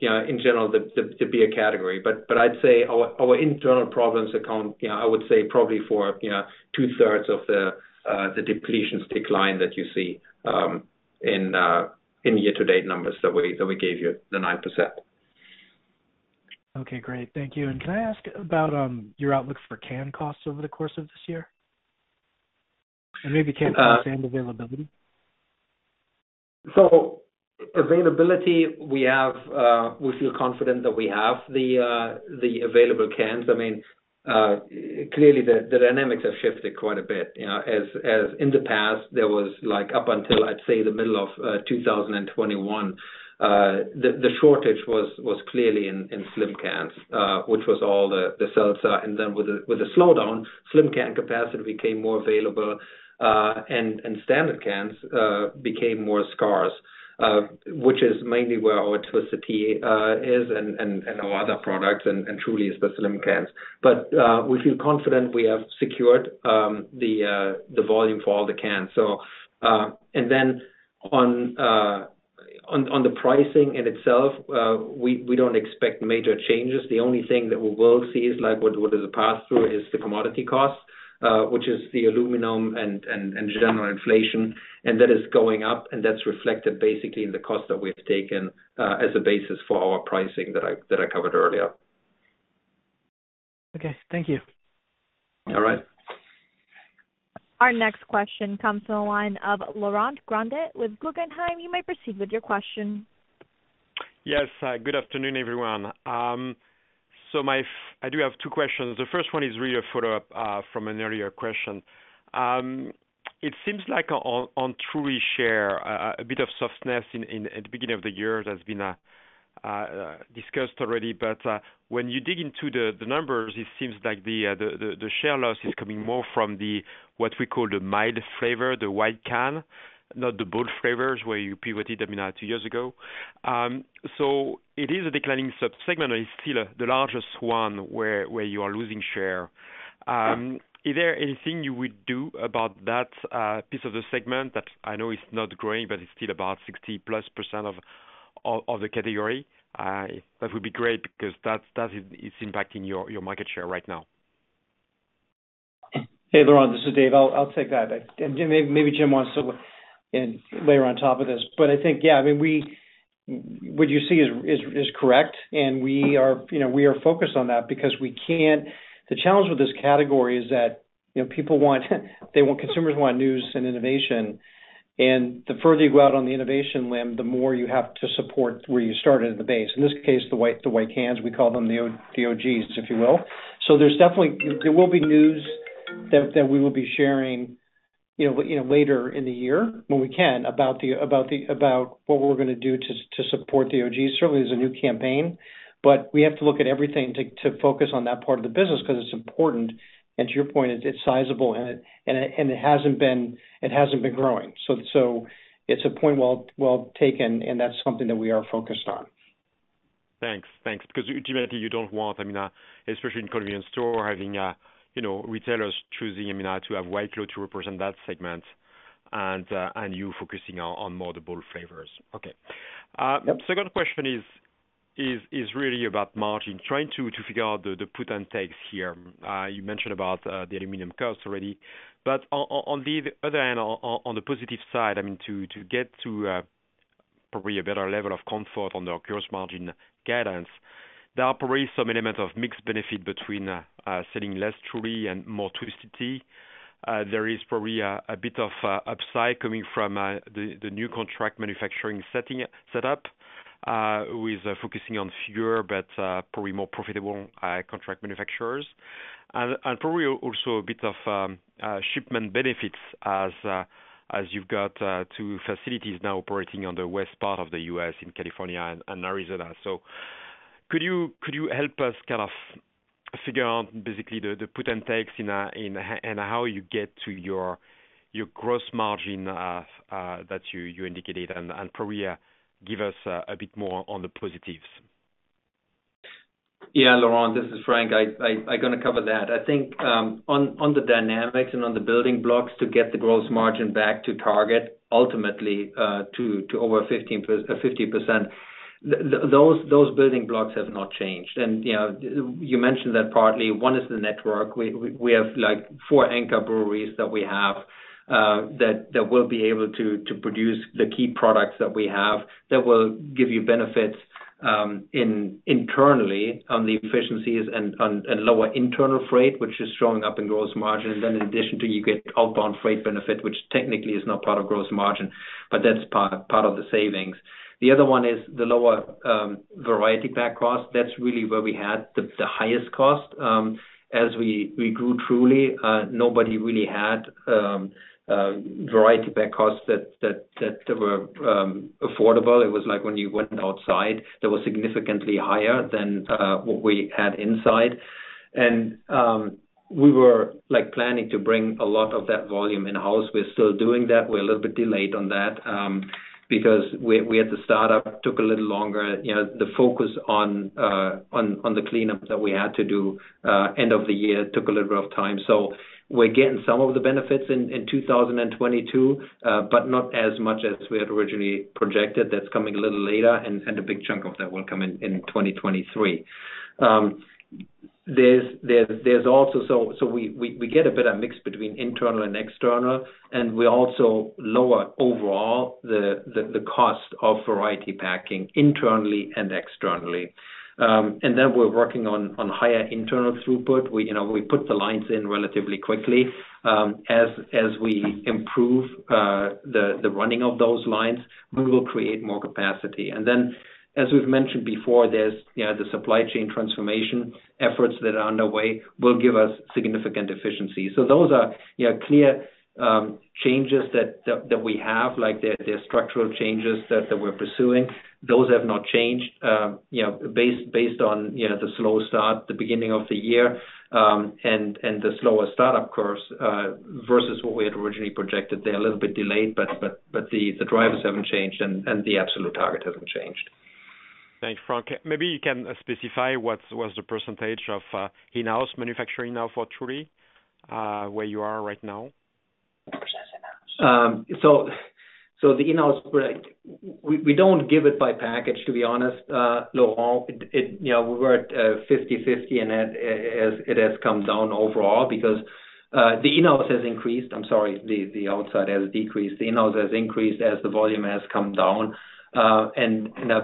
know, in general, the beer category. I'd say our internal problems account, you know, I would say probably for, you know, two-thirds of the depletions decline that you see in year-to-date numbers that we gave you, the 9%. Okay, great. Thank you. Can I ask about your outlook for can costs over the course of this year? Maybe can availability? Availability, we feel confident that we have the available cans. I mean, clearly the dynamics have shifted quite a bit. You know, as in the past, there was like up until I'd say the middle of 2021, the shortage was clearly in slim cans, which was all the seltzer. Then with the slowdown, slim can capacity became more available, and standard cans became more scarce, which is mainly where our Twisted Tea is and our other products and Truly is the slim cans. We feel confident we have secured the volume for all the cans. Then on the pricing in itself, we don't expect major changes. The only thing that we will see is like, what is the pass-through? It is the commodity costs, which is the aluminum and general inflation, and that is going up, and that's reflected basically in the cost that we've taken as a basis for our pricing that I covered earlier. Okay, thank you. All right. Our next question comes from the line of Laurent Grandet with Guggenheim. You may proceed with your question. Yes. Good afternoon, everyone. I do have two questions. The first one is really a follow-up from an earlier question. It seems like on Truly share, a bit of softness in at the beginning of the year has been discussed already, but when you dig into the numbers, it seems like the share loss is coming more from the what we call the mild flavor, the white can, not the bold flavors where you pivoted, I mean, two years ago. It is a declining subsegment. It's still the largest one where you are losing share. Is there anything you would do about that piece of the segment that I know is not growing, but it's still about 60%+ of the category? That would be great because that is impacting your market share right now. Hey, Laurent, this is Dave. I'll take that. Maybe Jim wants to layer on top of this. I think, yeah, I mean, what you see is correct. We are, you know, focused on that because we can. The challenge with this category is that, you know, consumers want news and innovation. The further you go out on the innovation limb, the more you have to support where you started at the base. In this case, the white cans, we call them the OGs, if you will. There will definitely be news that we will be sharing, you know, later in the year when we can about what we're gonna do to support the OGs. Certainly, there's a new campaign, but we have to look at everything to focus on that part of the business 'cause it's important. To your point, it's sizable and it hasn't been growing. It's a point well taken, and that's something that we are focused on. Thanks. Because ultimately you don't want, I mean, especially in convenience store, having, you know, retailers choosing, I mean, to have White Claw to represent that segment and you focusing on more the bold flavors. Okay. Second question is really about margin, trying to figure out the put and takes here. You mentioned about the aluminum costs already. But on the other hand, on the positive side, I mean, to get to probably a better level of comfort on the gross margin guidance, there are probably some elements of mixed benefit between selling less Truly and more Twisted Tea. There is probably a bit of upside coming from the new contract manufacturing setup with focusing on fewer but probably more profitable contract manufacturers. Probably also a bit of shipment benefits as you've got two facilities now operating on the west part of the U.S. in California and Arizona. Could you help us kind of figure out basically the puts and takes and how you get to your gross margin that you indicated? Probably give us a bit more on the positives. Yeah, Laurent, this is Frank. I'm gonna cover that. I think on the dynamics and on the building blocks to get the gross margin back to target ultimately to over 50%, those building blocks have not changed. You know, you mentioned that partly. One is the network. We have, like, four anchor breweries that we have that will be able to produce the key products that we have that will give you benefits internally on the efficiencies and lower internal freight, which is showing up in gross margin. Then in addition, you get outbound freight benefit, which technically is not part of gross margin, but that's part of the savings. The other one is the lower variety pack cost. That's really where we had the highest cost. As we grew Truly, nobody really had variety pack costs that were affordable. It was like when you went outside, they were significantly higher than what we had inside. We were like planning to bring a lot of that volume in-house. We're still doing that. We're a little bit delayed on that because the startup took a little longer. You know, the focus on the cleanup that we had to do end of the year took a little bit of time. We're getting some of the benefits in 2022, but not as much as we had originally projected. That's coming a little later, and a big chunk of that will come in 2023. There's also we get a better mix between internal and external, and we also lower overall the cost of variety packing internally and externally. We're working on higher internal throughput. You know, we put the lines in relatively quickly. As we improve the running of those lines, we will create more capacity. As we've mentioned before, there's, you know, the supply chain transformation efforts that are underway will give us significant efficiency. Those are yeah clear changes that we have, like, they're structural changes that we're pursuing. Those have not changed. You know, based on, you know, the slow start at the beginning of the year, and the slower start-up costs versus what we had originally projected. They're a little bit delayed, but the drivers haven't changed and the absolute target hasn't changed. Thanks, Frank. Maybe you can specify what's the percentage of in-house manufacturing now for Truly, where you are right now? The in-house, we don't give it by package, to be honest, Laurent. You know, we were at 50/50 and it has come down overall because the in-house has increased. I'm sorry, the outside has decreased. The in-house has increased as the volume has come down. I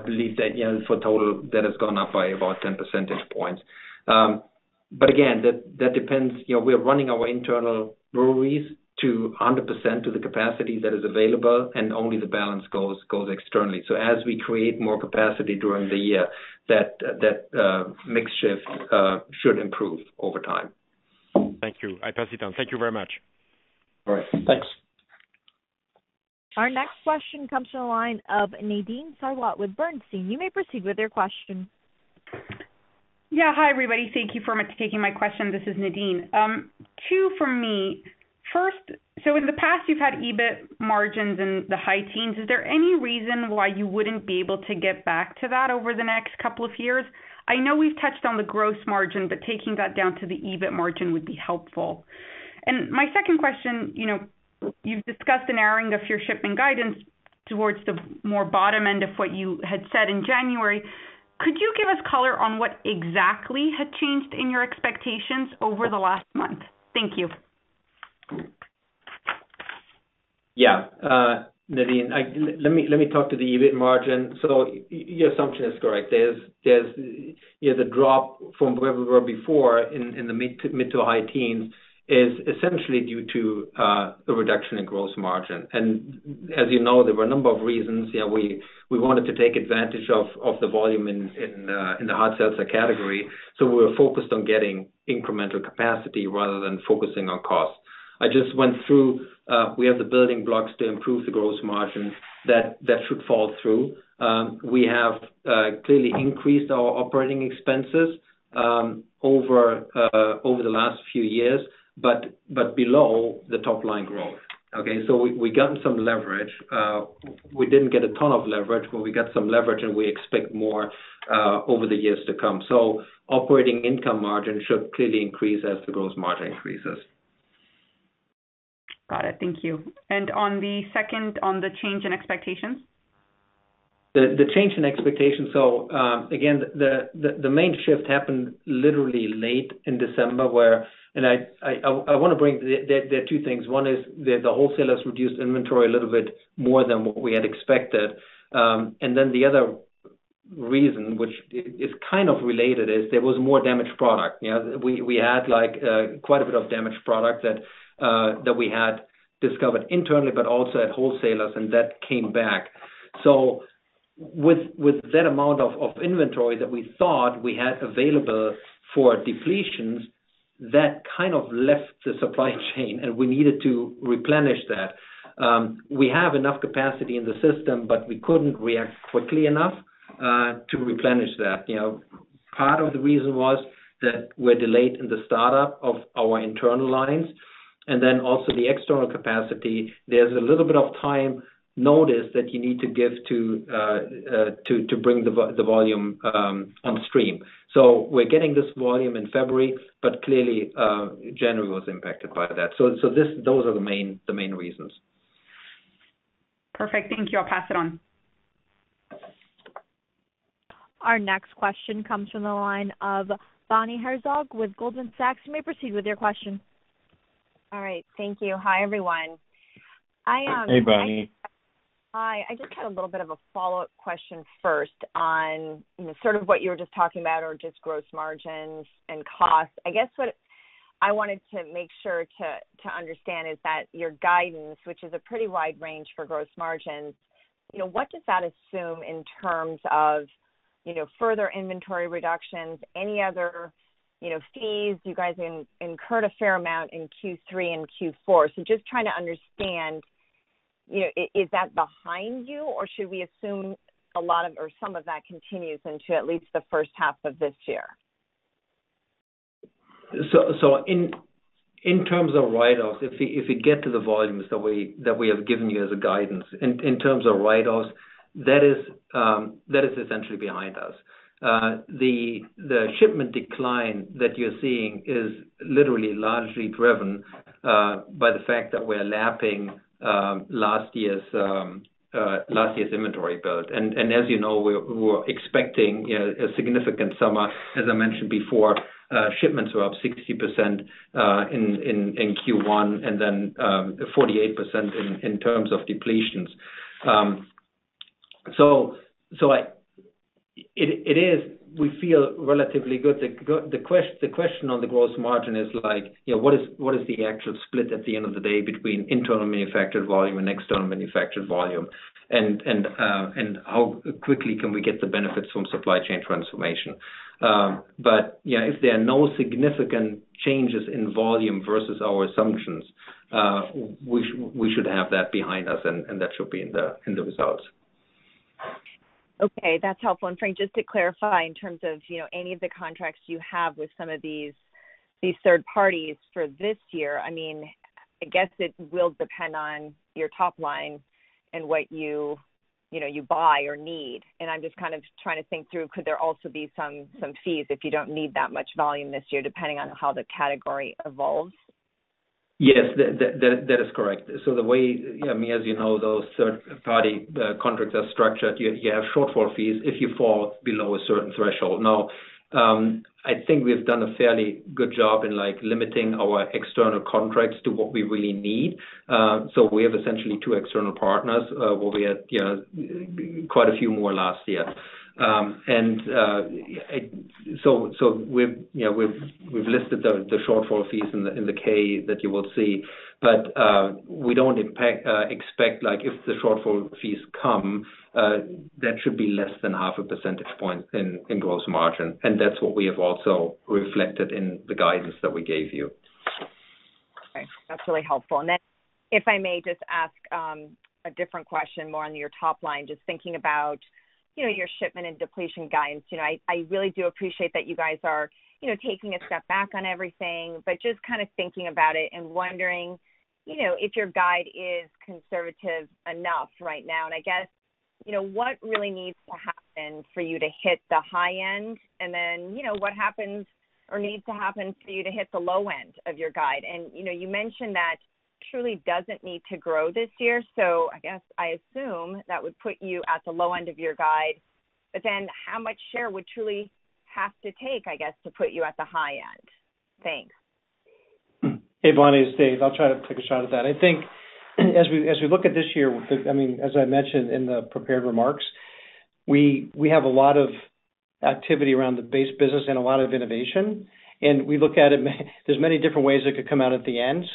believe that, you know, for total, that has gone up by about 10 percentage points. Again, that depends, you know, we're running our internal breweries to 100% of the capacity that is available and only the balance goes externally. As we create more capacity during the year, that mix shift should improve over time. Thank you. I pass it on. Thank you very much. All right. Thanks. Our next question comes from the line of Nadine Sarwat with Bernstein. You may proceed with your question. Hi, everybody. Thank you very much for taking my question. This is Nadine. Two for me. First, in the past, you've had EBIT margins in the high teens. Is there any reason why you wouldn't be able to get back to that over the next couple of years? I know we've touched on the gross margin, but taking that down to the EBIT margin would be helpful. My second question, you know, you've discussed the narrowing of your shipping guidance towards the more bottom end of what you had said in January. Could you give us color on what exactly had changed in your expectations over the last month? Thank you. Yeah. Nadine, let me talk to the EBIT margin. Your assumption is correct. There's you know the drop from where we were before in the mid- to high teens% is essentially due to a reduction in gross margin. As you know, there were a number of reasons. We wanted to take advantage of the volume in the hard seltzer category. We were focused on getting incremental capacity rather than focusing on cost. I just went through we have the building blocks to improve the gross margin that should fall through. We have clearly increased our operating expenses over the last few years, but below the top line growth. Okay. We gotten some leverage. We didn't get a ton of leverage, but we got some leverage, and we expect more over the years to come. Operating income margin should clearly increase as the gross margin increases. Got it. Thank you. On the second, on the change in expectations? The change in expectations. Again, the main shift happened literally late in December. There are two things. One is the wholesalers reduced inventory a little bit more than what we had expected. Then the other reason, which is kind of related, is there was more damaged product. You know, we had, like, quite a bit of damaged product that we had discovered internally, but also at wholesalers, and that came back. With that amount of inventory that we thought we had available for depletions, that kind of left the supply chain, and we needed to replenish that. We have enough capacity in the system, but we couldn't react quickly enough to replenish that. You know, part of the reason was that we're delayed in the startup of our internal lines and then also the external capacity. There's a little bit of time notice that you need to give to bring the volume on stream. We're getting this volume in February, but clearly, January was impacted by that. Those are the main reasons. Perfect. Thank you. I'll pass it on. Our next question comes from the line of Bonnie Herzog with Goldman Sachs. You may proceed with your question. All right. Thank you. Hi, everyone. Hey, Bonnie. Hi. I just had a little bit of a follow-up question first on, you know, sort of what you were just talking about or just gross margins and costs. I guess what I wanted to make sure to understand is that your guidance, which is a pretty wide range for gross margins, you know, what does that assume in terms of, you know, further inventory reductions, any other, you know, fees? You guys incurred a fair amount in Q3 and Q4. Just trying to understand, you know, is that behind you, or should we assume a lot of or some of that continues into at least the first half of this year? In terms of write-offs, if we get to the volumes that we have given you as a guidance. In terms of write-offs, that is essentially behind us. The shipment decline that you're seeing is literally largely driven by the fact that we're lapping last year's inventory build. As you know, we're expecting you know, a significant summer. As I mentioned before, shipments were up 60% in Q1 and then 48% in terms of depletions. It is we feel relatively good. The question on the gross margin is like, you know, what is the actual split at the end of the day between internal manufactured volume and external manufactured volume? How quickly can we get the benefits from supply chain transformation? If there are no significant changes in volume versus our assumptions, we should have that behind us, and that should be in the results. Okay. That's helpful. Frank, just to clarify in terms of, you know, any of the contracts you have with some of these third parties for this year, I mean, I guess it will depend on your top line and what you know, you buy or need. I'm just kind of trying to think through, could there also be some fees if you don't need that much volume this year, depending on how the category evolves? Yes. That is correct. The way, I mean, as you know, those third-party contracts are structured. You have shortfall fees if you fall below a certain threshold. Now, I think we've done a fairly good job in, like, limiting our external contracts to what we really need. We have essentially two external partners, where we had, you know, quite a few more last year. We've, you know, listed the shortfall fees in the K that you will see. We don't expect, like, if the shortfall fees come, that should be less than half a percentage point in gross margin. That's what we have also reflected in the guidance that we gave you. Okay. That's really helpful. If I may just ask a different question more on your top line, just thinking about, you know, your shipment and depletion guidance. You know, I really do appreciate that you guys are, you know, taking a step back on everything, but just kind of thinking about it and wondering, you know, if your guide is conservative enough right now. I guess, you know, what really needs to happen for you to hit the high end, and then, you know, what happens or needs to happen for you to hit the low end of your guide? You know, you mentioned that Truly doesn't need to grow this year, so I guess I assume that would put you at the low end of your guide. how much share would Truly have to take, I guess, to put you at the high end? Thanks. Hey, Bonnie, it's Dave. I'll try to take a shot at that. I think as we look at this year, I mean, as I mentioned in the prepared remarks, we have a lot of activity around the base business and a lot of innovation. We look at it. There's many different ways it could come out at the end.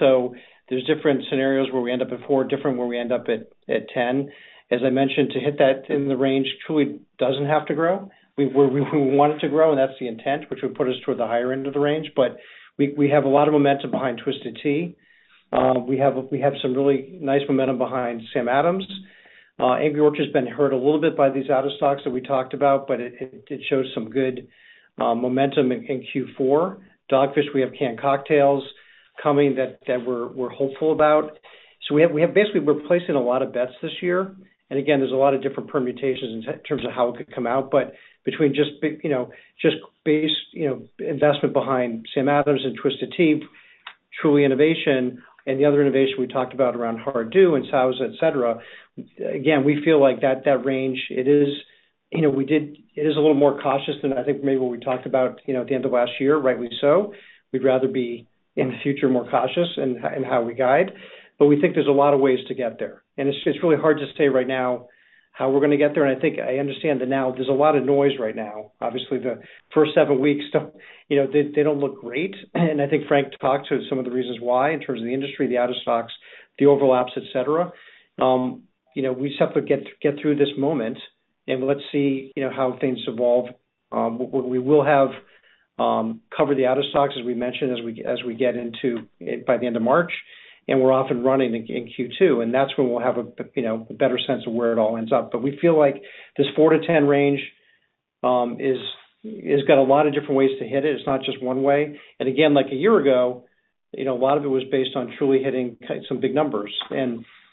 There's different scenarios where we end up at 4%, different where we end up at 10%. As I mentioned, to hit that in the range, Truly doesn't have to grow. We want it to grow, and that's the intent, which would put us toward the higher end of the range. We have a lot of momentum behind Twisted Tea. We have some really nice momentum behind Sam Adams. Angry Orchard has been hurt a little bit by these out of stocks that we talked about, but it shows some good momentum in Q4. Dogfish, we have canned cocktails coming that we're hopeful about. We have, basically, we're placing a lot of bets this year. Again, there's a lot of different permutations in terms of how it could come out. Between just big, you know, just base, you know, investment behind Sam Adams and Twisted Tea, Truly innovation and the other innovation we talked about around Hard MTN DEW and Sauza, et cetera, again, we feel like that range, it is, you know, it is a little more cautious than I think maybe what we talked about, you know, at the end of last year, rightly so. We'd rather be, in the future, more cautious in how we guide. We think there's a lot of ways to get there. It's really hard to say right now how we're gonna get there. I think I understand that now there's a lot of noise right now. Obviously, the first seven weeks don't, you know, they don't look great. I think Frank talked to some of the reasons why in terms of the industry, the out of stocks, the overlaps, et cetera. You know, we just have to get through this moment and let's see how things evolve. We will have covered the out of stocks, as we mentioned, as we get into it by the end of March, and we're off and running in Q2. That's when we'll have a, you know, a better sense of where it all ends up. We feel like this 4-10 range is got a lot of different ways to hit it. It's not just one way. Again, like a year ago, you know, a lot of it was based on Truly hitting some big numbers.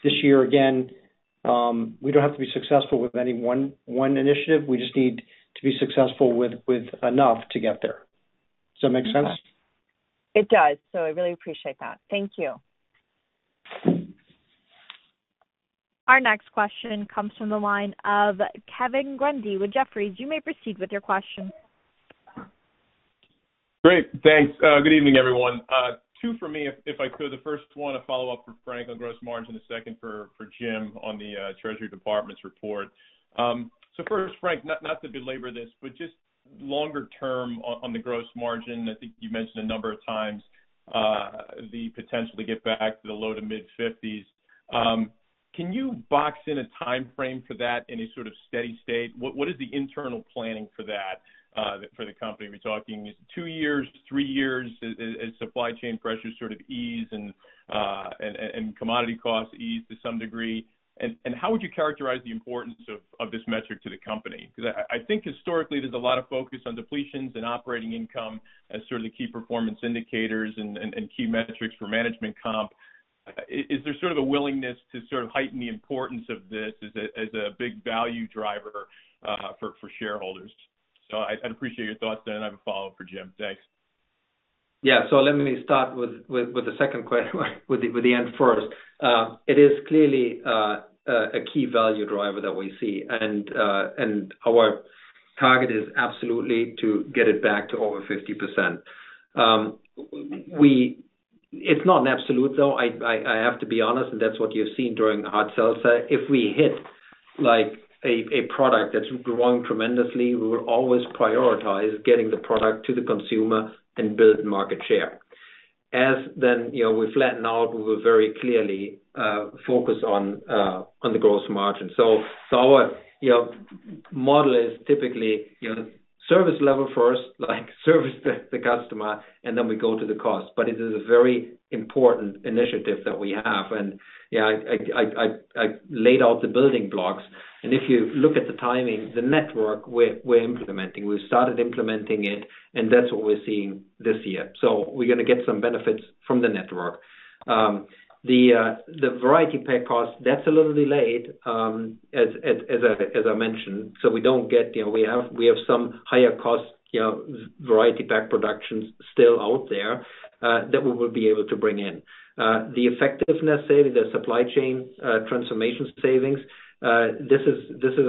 This year, again, we don't have to be successful with any one initiative. We just need to be successful with enough to get there. Does that make sense? It does. I really appreciate that. Thank you. Our next question comes from the line of Kevin Grundy with Jefferies. You may proceed with your question. Great. Thanks. Good evening, everyone. Two for me, if I could. The first one, a follow-up for Frank on gross margin, the second for Jim on the Treasury Department's report. First, Frank, not to belabor this, but just longer term on the gross margin, I think you mentioned a number of times the potential to get back to the low- to mid-50s%. Can you box in a timeframe for that, any sort of steady state? What is the internal planning for that for the company? Are we talking 2 years, 3 years as supply chain pressures sort of ease and commodity costs ease to some degree? How would you characterize the importance of this metric to the company? Because I think historically there's a lot of focus on depletions and operating income as sort of the key performance indicators and key metrics for management comp. Is there sort of a willingness to sort of heighten the importance of this as a big value driver, for shareholders? I'd appreciate your thoughts then. I have a follow-up for Jim. Thanks. Yeah. Let me start with the end first. It is clearly a key value driver that we see. Our target is absolutely to get it back to over 50%. It's not an absolute though. I have to be honest, and that's what you've seen during the hard seltzer. If we hit, like, a product that's growing tremendously, we will always prioritize getting the product to the consumer and build market share. And then, you know, we flatten out, we will very clearly focus on the gross margin. Our model is typically, you know, service level first, like, service the customer, and then we go to the cost. It is a very important initiative that we have. Yeah, I laid out the building blocks, and if you look at the timing, the network we're implementing, we've started implementing it, and that's what we're seeing this year. We're gonna get some benefits from the network. The variety pack cost, that's a little delayed, as I mentioned. We don't get, you know, we have some higher cost, you know, variety pack productions still out there, that we will be able to bring in. The effectiveness saving, the supply chain transformation savings, this is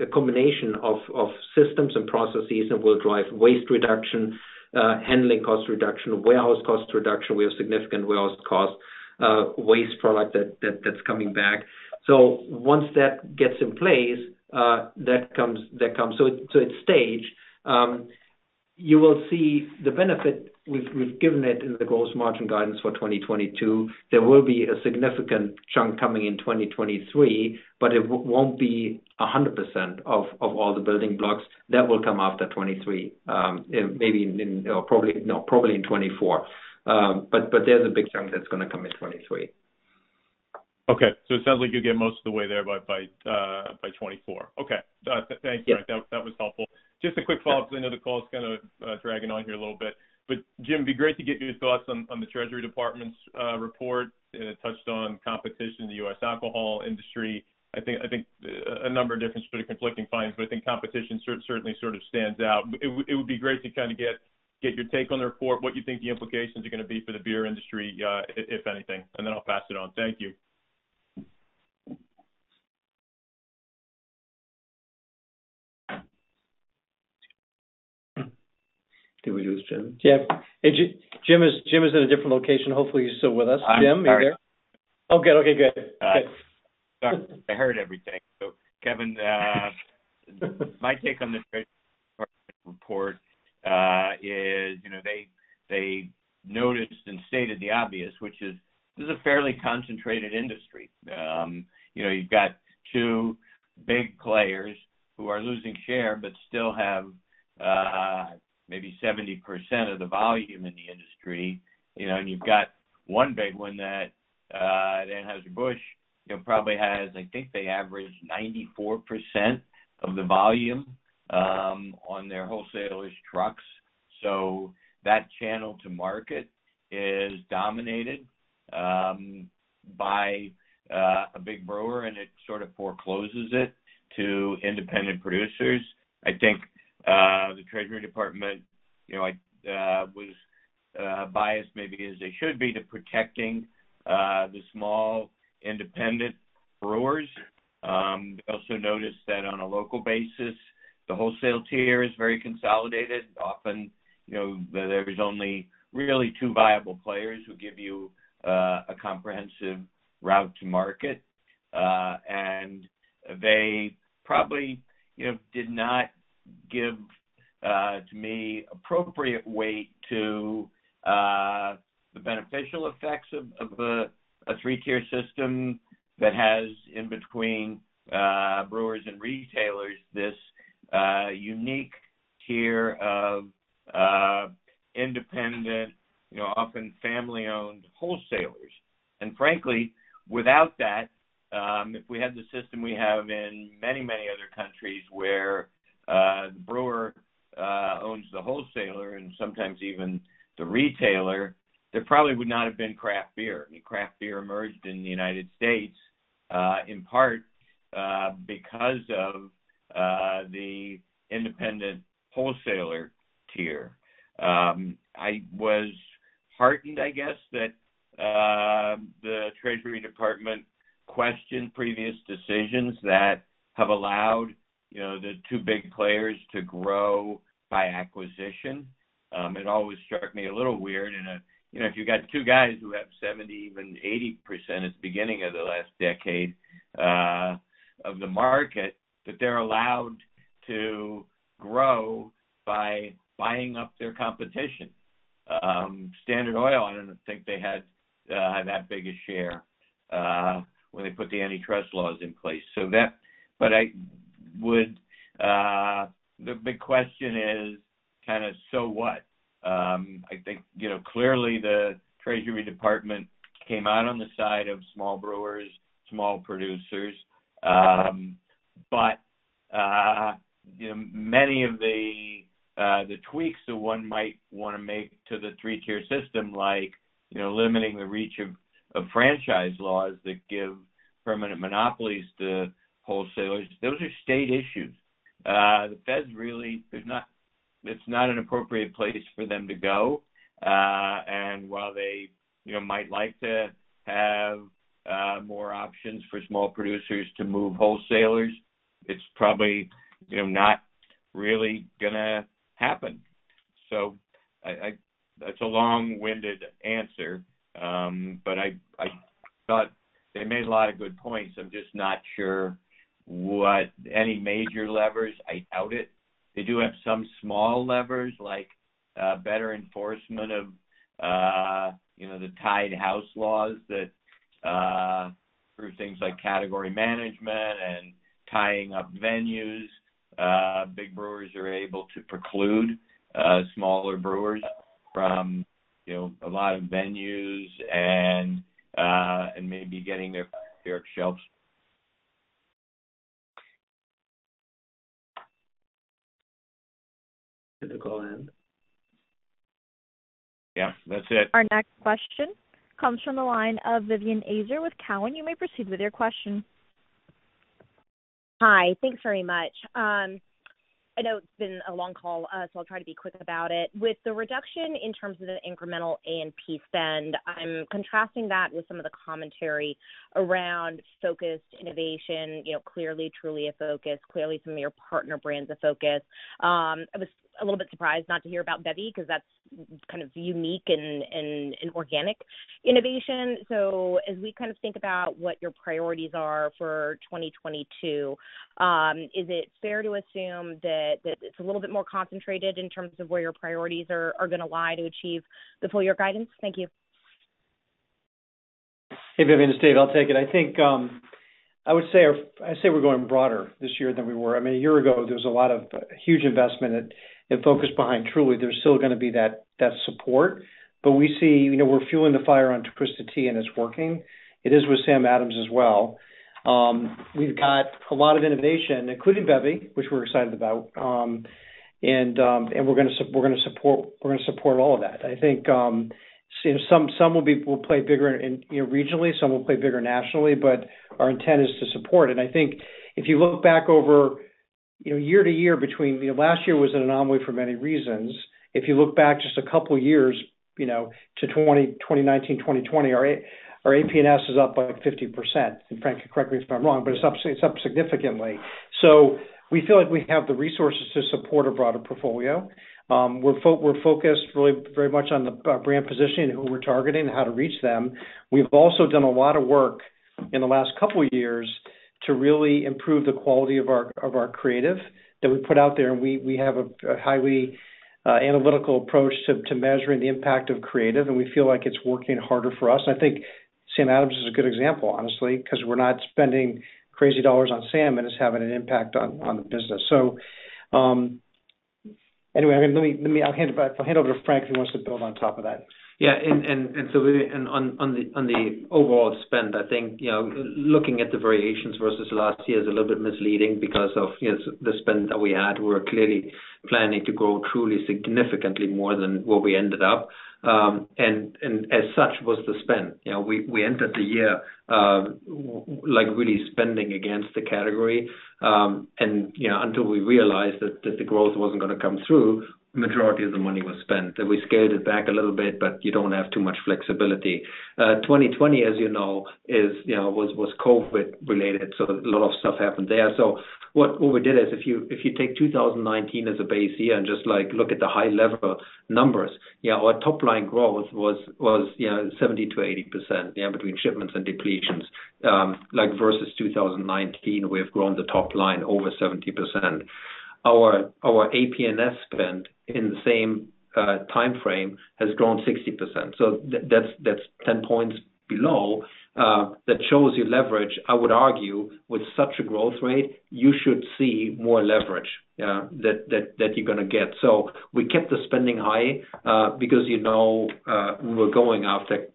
a combination of systems and processes that will drive waste reduction, handling cost reduction, warehouse cost reduction. We have significant warehouse cost, waste product that's coming back. Once that gets in place, that comes. It's staged. You will see the benefit we've given it in the gross margin guidance for 2022. There will be a significant chunk coming in 2023, but it won't be 100% of all the building blocks. That will come after 2023, probably in 2024. There's a big chunk that's gonna come in 2023. Okay. It sounds like you'll get most of the way there by 2024. Okay. Thank you. Yeah. That was helpful. Just a quick follow-up, because I know the call is kind of dragging on here a little bit. Jim, it'd be great to get your thoughts on the Treasury Department's report, and it touched on competition in the U.S. alcohol industry. I think a number of different sort of conflicting findings, but I think competition certainly sort of stands out. It would be great to kind of get your take on the report, what you think the implications are gonna be for the beer industry, if anything, and then I'll pass it on. Thank you. Did we lose Jim? Yeah. Hey, Jim is in a different location. Hopefully he's still with us. Jim, are you there? I'm sorry. Oh, good. Okay, good. All right. Good. Sorry. I heard everything. Kevin, my take on this report is, you know, they noticed and stated the obvious, which is this is a fairly concentrated industry. You know, you've got two big players who are losing share but still have maybe 70% of the volume in the industry, you know, and you've got one big one that Anheuser-Busch, you know, probably has, I think, they average 94% of the volume on their wholesalers' trucks. That channel to market is dominated by a big brewer, and it sort of forecloses it to independent producers. I think the Treasury Department, you know, I was biased maybe as they should be to protecting the small independent brewers. Also noticed that on a local basis, the wholesale tier is very consolidated. Often, you know, there is only really two viable players who give you a comprehensive route to market, and they probably, you know, did not give to me appropriate weight to the beneficial effects of a three-tier system that has in between brewers and retailers this unique tier of independent, you know, often family-owned wholesalers. Frankly, without that, if we had the system we have in many, many other countries where brewer owns the wholesaler and sometimes even the retailer, there probably would not have been craft beer. I mean, craft beer emerged in the United States in part because of the independent wholesaler tier. I was heartened, I guess, that the Treasury Department questioned previous decisions that have allowed, you know, the two big players to grow by acquisition. It always struck me a little weird. You know, if you got two guys who have 70, even 80% at the beginning of the last decade of the market, that they're allowed to grow by buying up their competition. Standard Oil, I don't think they had that big a share when they put the antitrust laws in place. The big question is kind of, so what? I think, you know, clearly the Treasury Department came out on the side of small brewers, small producers. You know, many of the tweaks that one might wanna make to the three-tier system, like, you know, limiting the reach of franchise laws that give permanent monopolies to wholesalers, those are state issues. The feds really, it's not an appropriate place for them to go. While they, you know, might like to have more options for small producers to move wholesalers, it's probably, you know, not really gonna happen. That's a long-winded answer. I thought they made a lot of good points. I'm just not sure what any major levers. I doubt it. They do have some small levers, like better enforcement of, you know, the tied house laws that through things like category management and tying up venues, big brewers are able to preclude smaller brewers from, you know, a lot of venues and maybe getting their beer on shelves. Did the call end? Yeah, that's it. Our next question comes from the line of Vivien Azer with Cowen. You may proceed with your question. Hi. Thanks very much. I know it's been a long call, so I'll try to be quick about it. With the reduction in terms of the incremental A&P spend, I'm contrasting that with some of the commentary around focused innovation, you know, clearly, Truly a focus, clearly some of your partner brands a focus. I was a little bit surprised not to hear about Bevy because that's kind of unique and organic innovation. As we kind of think about what your priorities are for 2022, is it fair to assume that it's a little bit more concentrated in terms of where your priorities are gonna lie to achieve the full year guidance? Thank you. Hey, Vivien, it's Dave. I'll take it. I think I would say we're going broader this year than we were. I mean, a year ago, there was a lot of huge investment and focus behind Truly. There's still gonna be that support. We see, you know, we're fueling the fire on Twisted Tea, and it's working. It is with Samuel Adams as well. We've got a lot of innovation, including Bevy, which we're excited about. We're gonna support all of that. I think, you know, some will play bigger regionally, some will play bigger nationally, but our intent is to support. I think if you look back over, you know, year to year between, you know, last year was an anomaly for many reasons. If you look back just a couple years, you know, to 2019, 2020, our AP&S is up by like 50%. Frank, correct me if I'm wrong, but it's up significantly. We feel like we have the resources to support a broader portfolio. We're focused really very much on the brand positioning, who we're targeting, how to reach them. We've also done a lot of work in the last couple years to really improve the quality of our creative that we put out there. We have a highly analytical approach to measuring the impact of creative, and we feel like it's working harder for us. I think Samuel Adams is a good example, honestly, 'cause we're not spending crazy dollars on Sam, and it's having an impact on the business. Anyway, I mean, I'll hand it back. I'll hand it over to Frank, who wants to build on top of that. Yeah. On the overall spend, I think, you know, looking at the variations versus last year is a little bit misleading because of, you know, the spend that we had. We're clearly planning to grow Truly significantly more than what we ended up, and as such was the spend. You know, we entered the year like really spending against the category. You know, until we realized that the growth wasn't gonna come through, the majority of the money was spent. We scaled it back a little bit, but you don't have too much flexibility. 2020, as you know, was COVID related, so a lot of stuff happened there. What we did is if you take 2019 as a base year and just like look at the high level numbers, you know, our top line growth was, you know, 70%-80%, yeah, between shipments and depletions. Like versus 2019, we have grown the top line over 70%. Our AP&S spend in the same timeframe has grown 60%. That's 10 points below, that shows you leverage. I would argue with such a growth rate, you should see more leverage that you're gonna get. We kept the spending high because, you know, we were going after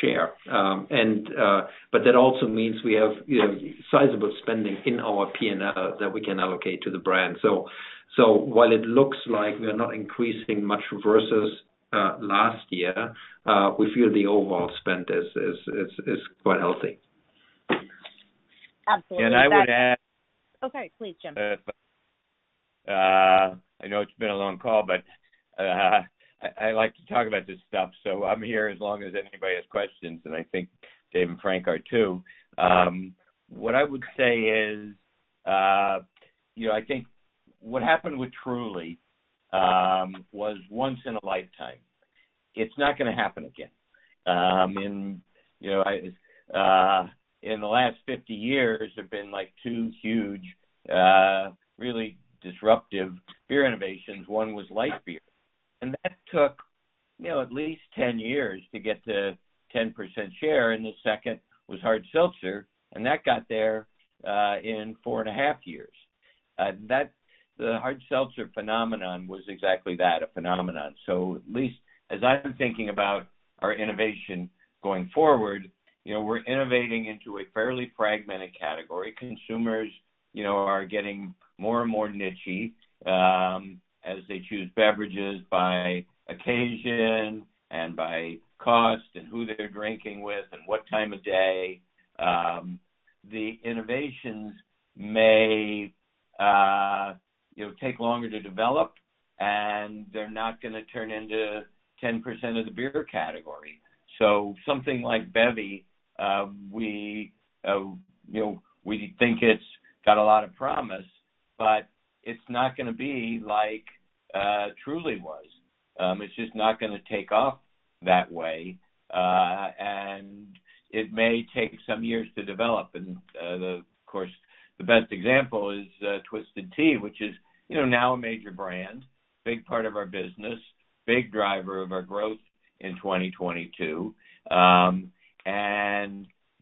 share. But that also means we have, you know, sizable spending in our P&L that we can allocate to the brand. While it looks like we are not increasing much versus last year, we feel the overall spend is quite healthy. Absolutely. I would add. Okay. Please, Jim. I know it's been a long call, but I like to talk about this stuff, so I'm here as long as anybody has questions, and I think Dave and Frank are too. What I would say is, you know, I think what happened with Truly was once in a lifetime. It's not gonna happen again. In the last 50 years, there've been like two huge really disruptive beer innovations. One was light beer, and that took, you know, at least 10 years to get to 10% share, and the second was hard seltzer, and that got there in 4.5 years. The hard seltzer phenomenon was exactly that, a phenomenon. At least as I'm thinking about our innovation going forward, you know, we're innovating into a fairly fragmented category. Consumers, you know, are getting more and more niche-y, as they choose beverages by occasion and by cost and who they're drinking with and what time of day. The innovations may, you know, take longer to develop, and they're not gonna turn into 10% of the beer category. So something like Bevy, we, you know, we think it's got a lot of promise, but it's not gonna be like, Truly was. It's just not gonna take off that way, and it may take some years to develop. The, of course, best example is Twisted Tea, which is, you know, now a major brand, big part of our business, big driver of our growth in 2022.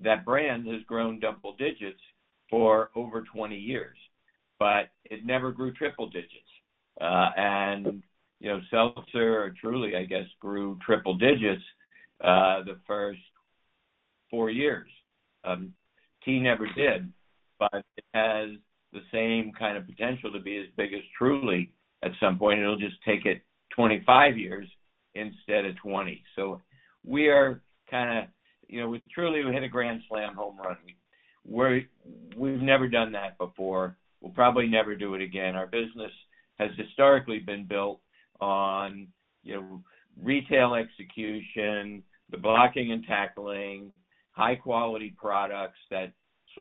That brand has grown double digits for over 20 years, but it never grew triple digits. You know, seltzer or Truly, I guess, grew triple digits the first four years. Tea never did, but it has the same kind of potential to be as big as Truly at some point. It'll just take it 25 years instead of 20. We are kind of you know, with Truly, we hit a grand slam home run. We've never done that before. We'll probably never do it again. Our business has historically been built on, you know, retail execution, the blocking and tackling, high-quality products that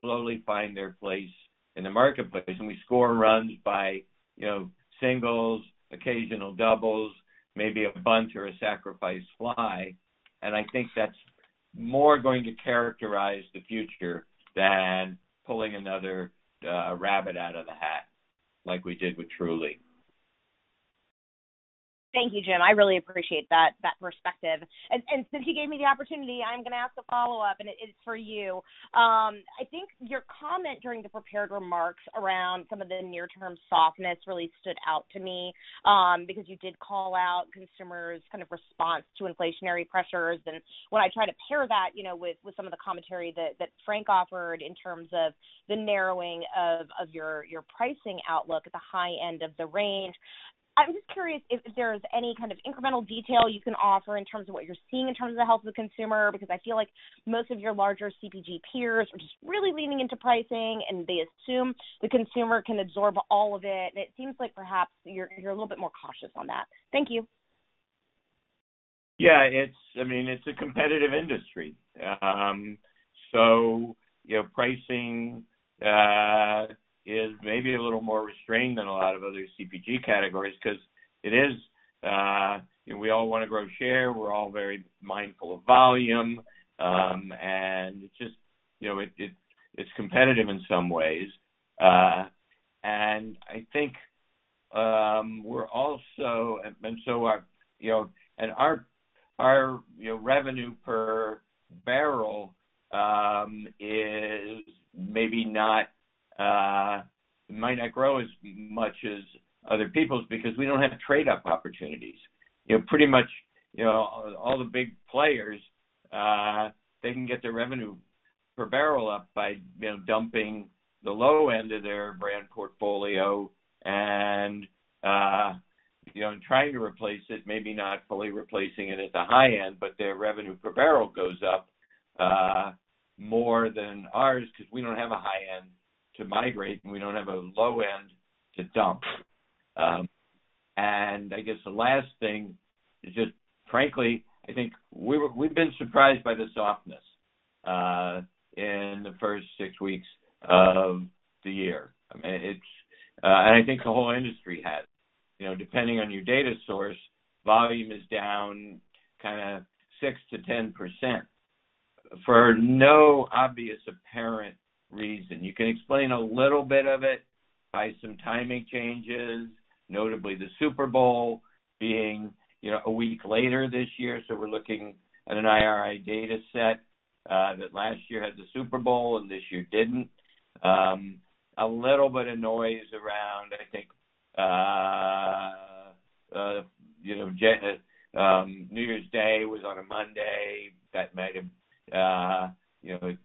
slowly find their place in the marketplace, and we score runs by, you know, singles, occasional doubles, maybe a bunt or a sacrifice fly. I think that's more going to characterize the future than pulling another rabbit out of the hat like we did with Truly. Thank you, Jim. I really appreciate that perspective. Since you gave me the opportunity, I'm gonna ask a follow-up, and it is for you. I think your comment during the prepared remarks around some of the near-term softness really stood out to me, because you did call out consumers' kind of response to inflationary pressures. When I try to pair that, you know, with some of the commentary that Frank offered in terms of the narrowing of your pricing outlook at the high end of the range, I'm just curious if there is any kind of incremental detail you can offer in terms of what you're seeing in terms of the health of the consumer, because I feel like most of your larger CPG peers are just really leaning into pricing, and they assume the consumer can absorb all of it. It seems like perhaps you're a little bit more cautious on that. Thank you. I mean, it's a competitive industry. You know, pricing is maybe a little more restrained than a lot of other CPG categories 'cause it is, you know, we all wanna grow share. We're all very mindful of volume. It's just, you know, it's competitive in some ways. I think our revenue per barrel might not grow as much as other people's because we don't have trade-up opportunities. You know, pretty much, you know, all the big players, they can get their revenue per barrel up by, you know, dumping the low end of their brand portfolio and, you know, and trying to replace it, maybe not fully replacing it at the high end, but their revenue per barrel goes up, more than ours 'cause we don't have a high end to migrate, and we don't have a low end to dump. I guess the last thing is just, frankly, I think we've been surprised by the softness in the first six weeks of the year. I mean, I think the whole industry has. You know, depending on your data source, volume is down kinda 6%-10% for no obvious apparent reason. You can explain a little bit of it by some timing changes, notably the Super Bowl being, you know, a week later this year. We're looking at an IRI data set that last year had the Super Bowl and this year didn't. A little bit of noise around, I think, you know, New Year's Day was on a Monday. That might have, you know,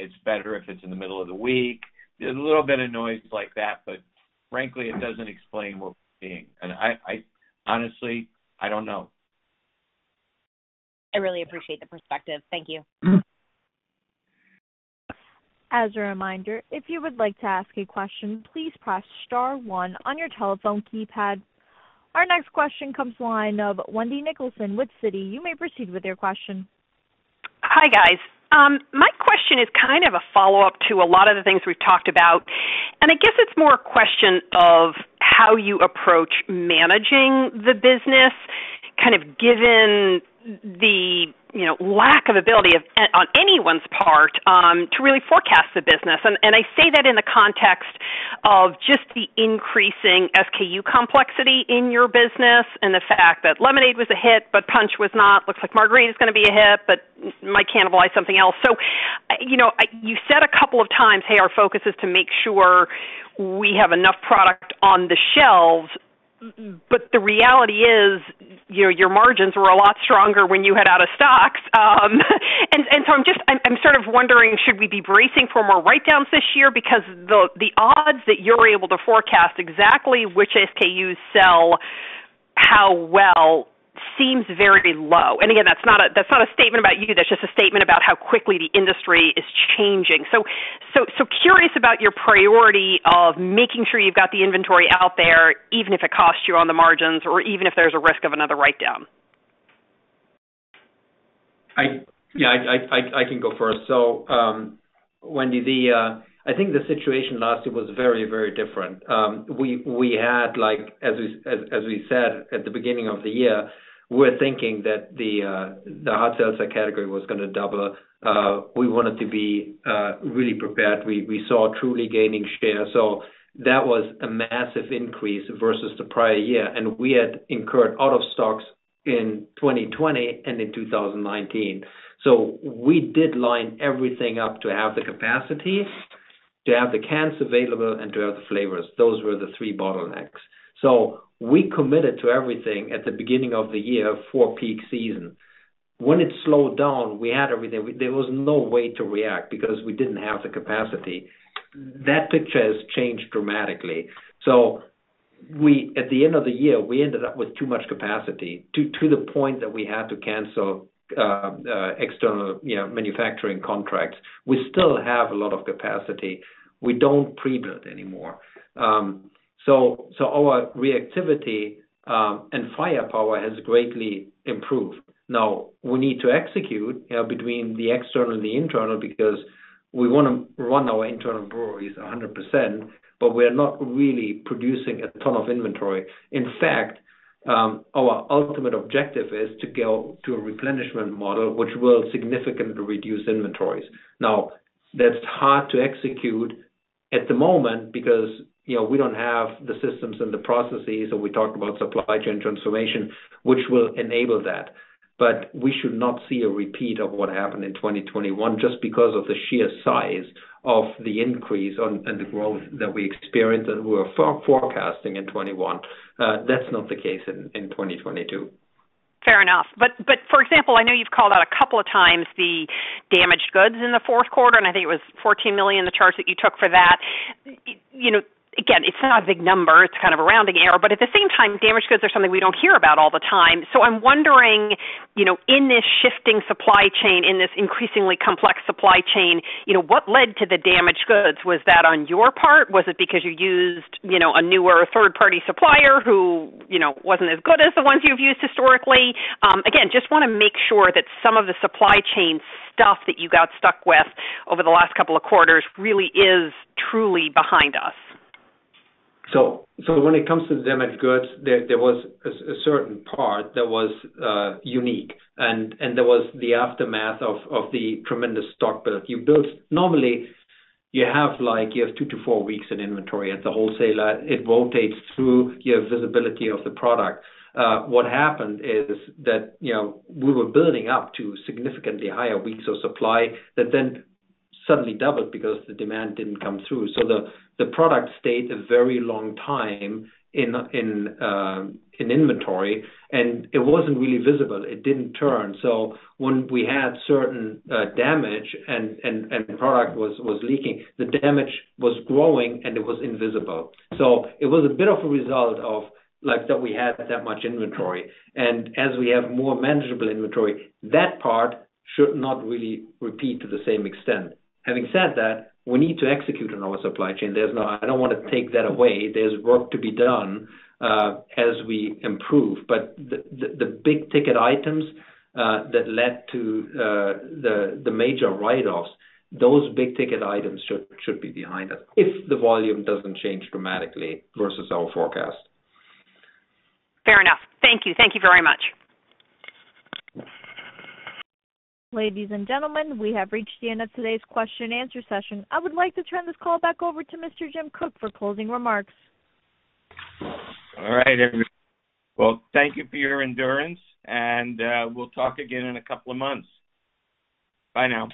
it's better if it's in the middle of the week. There's a little bit of noise like that, but frankly, it doesn't explain what we're seeing. I honestly don't know. I really appreciate the perspective. Thank you. As a reminder, if you would like to ask a question, please press star one on your telephone keypad. Our next question comes from the line of Wendy Nicholson with Citi. You may proceed with your question. Hi, guys. My question is kind of a follow-up to a lot of the things we've talked about, and I guess it's more a question of how you approach managing the business, kind of given the, you know, lack of ability of, on anyone's part, to really forecast the business. I say that in the context of just the increasing SKU complexity in your business and the fact that lemonade was a hit, but punch was not. Looks like margarita is gonna be a hit, but might cannibalize something else. You know, you said a couple of times, "Hey, our focus is to make sure we have enough product on the shelves," but the reality is, you know, your margins were a lot stronger when you had out of stocks. I'm sort of wondering, should we be bracing for more write-downs this year? Because the odds that you're able to forecast exactly which SKUs sell how well seems very low. Again, that's not a statement about you. That's just a statement about how quickly the industry is changing. Curious about your priority of making sure you've got the inventory out there, even if it costs you on the margins or even if there's a risk of another write-down. Yeah, I can go first. Wendy, I think the situation last year was very, very different. We had, like, as we said at the beginning of the year, we're thinking that the hard seltzer category was gonna double. We wanted to be really prepared. We saw Truly gaining share. That was a massive increase versus the prior year. We had incurred out-of-stocks in 2020 and in 2019. We did line everything up to have the capacity, to have the cans available, and to have the flavors. Those were the three bottlenecks. We committed to everything at the beginning of the year for peak season. When it slowed down, we had everything. There was no way to react because we didn't have the capacity. That picture has changed dramatically. At the end of the year, we ended up with too much capacity to the point that we had to cancel external, you know, manufacturing contracts. We still have a lot of capacity. We don't pre-build anymore. Our reactivity and firepower has greatly improved. Now, we need to execute, you know, between the external and the internal because we wanna run our internal breweries 100%, but we're not really producing a ton of inventory. In fact, our ultimate objective is to go to a replenishment model, which will significantly reduce inventories. Now, that's hard to execute at the moment, because, you know, we don't have the systems and the processes, and we talked about supply chain transformation, which will enable that. We should not see a repeat of what happened in 2021 just because of the sheer size of the increase and the growth that we experienced and we were forecasting in 2021. That's not the case in 2022. Fair enough. For example, I know you've called out a couple of times the damaged goods in the fourth quarter, and I think it was $14 million, the charge that you took for that. You know, again, it's not a big number. It's kind of a rounding error. At the same time, damaged goods are something we don't hear about all the time. I'm wondering, you know, in this shifting supply chain, in this increasingly complex supply chain, you know, what led to the damaged goods? Was that on your part? Was it because you used, you know, a newer or third-party supplier who, you know, wasn't as good as the ones you've used historically? Again, just wanna make sure that some of the supply chain stuff that you got stuck with over the last couple of quarters really is truly behind us. When it comes to damaged goods, there was a certain part that was unique, and there was the aftermath of the tremendous stock build. Normally, you have like 2 to 4 weeks in inventory at the wholesaler. It rotates through your visibility of the product. What happened is that, you know, we were building up to significantly higher weeks of supply that then suddenly doubled because the demand didn't come through. The product stayed a very long time in inventory, and it wasn't really visible. It didn't turn. When we had certain damage and product was leaking, the damage was growing, and it was invisible. It was a bit of a result of like that we had that much inventory. As we have more manageable inventory, that part should not really repeat to the same extent. Having said that, we need to execute on our supply chain. I don't wanna take that away. There's work to be done as we improve. The big-ticket items that led to the major write-offs, those big-ticket items should be behind us if the volume doesn't change dramatically versus our forecast. Fair enough. Thank you. Thank you very much. Ladies and gentlemen, we have reached the end of today's question-and-answer session. I would like to turn this call back over to Mr. Jim Koch for closing remarks. All right. Well, thank you for your endurance, and we'll talk again in a couple of months. Bye now.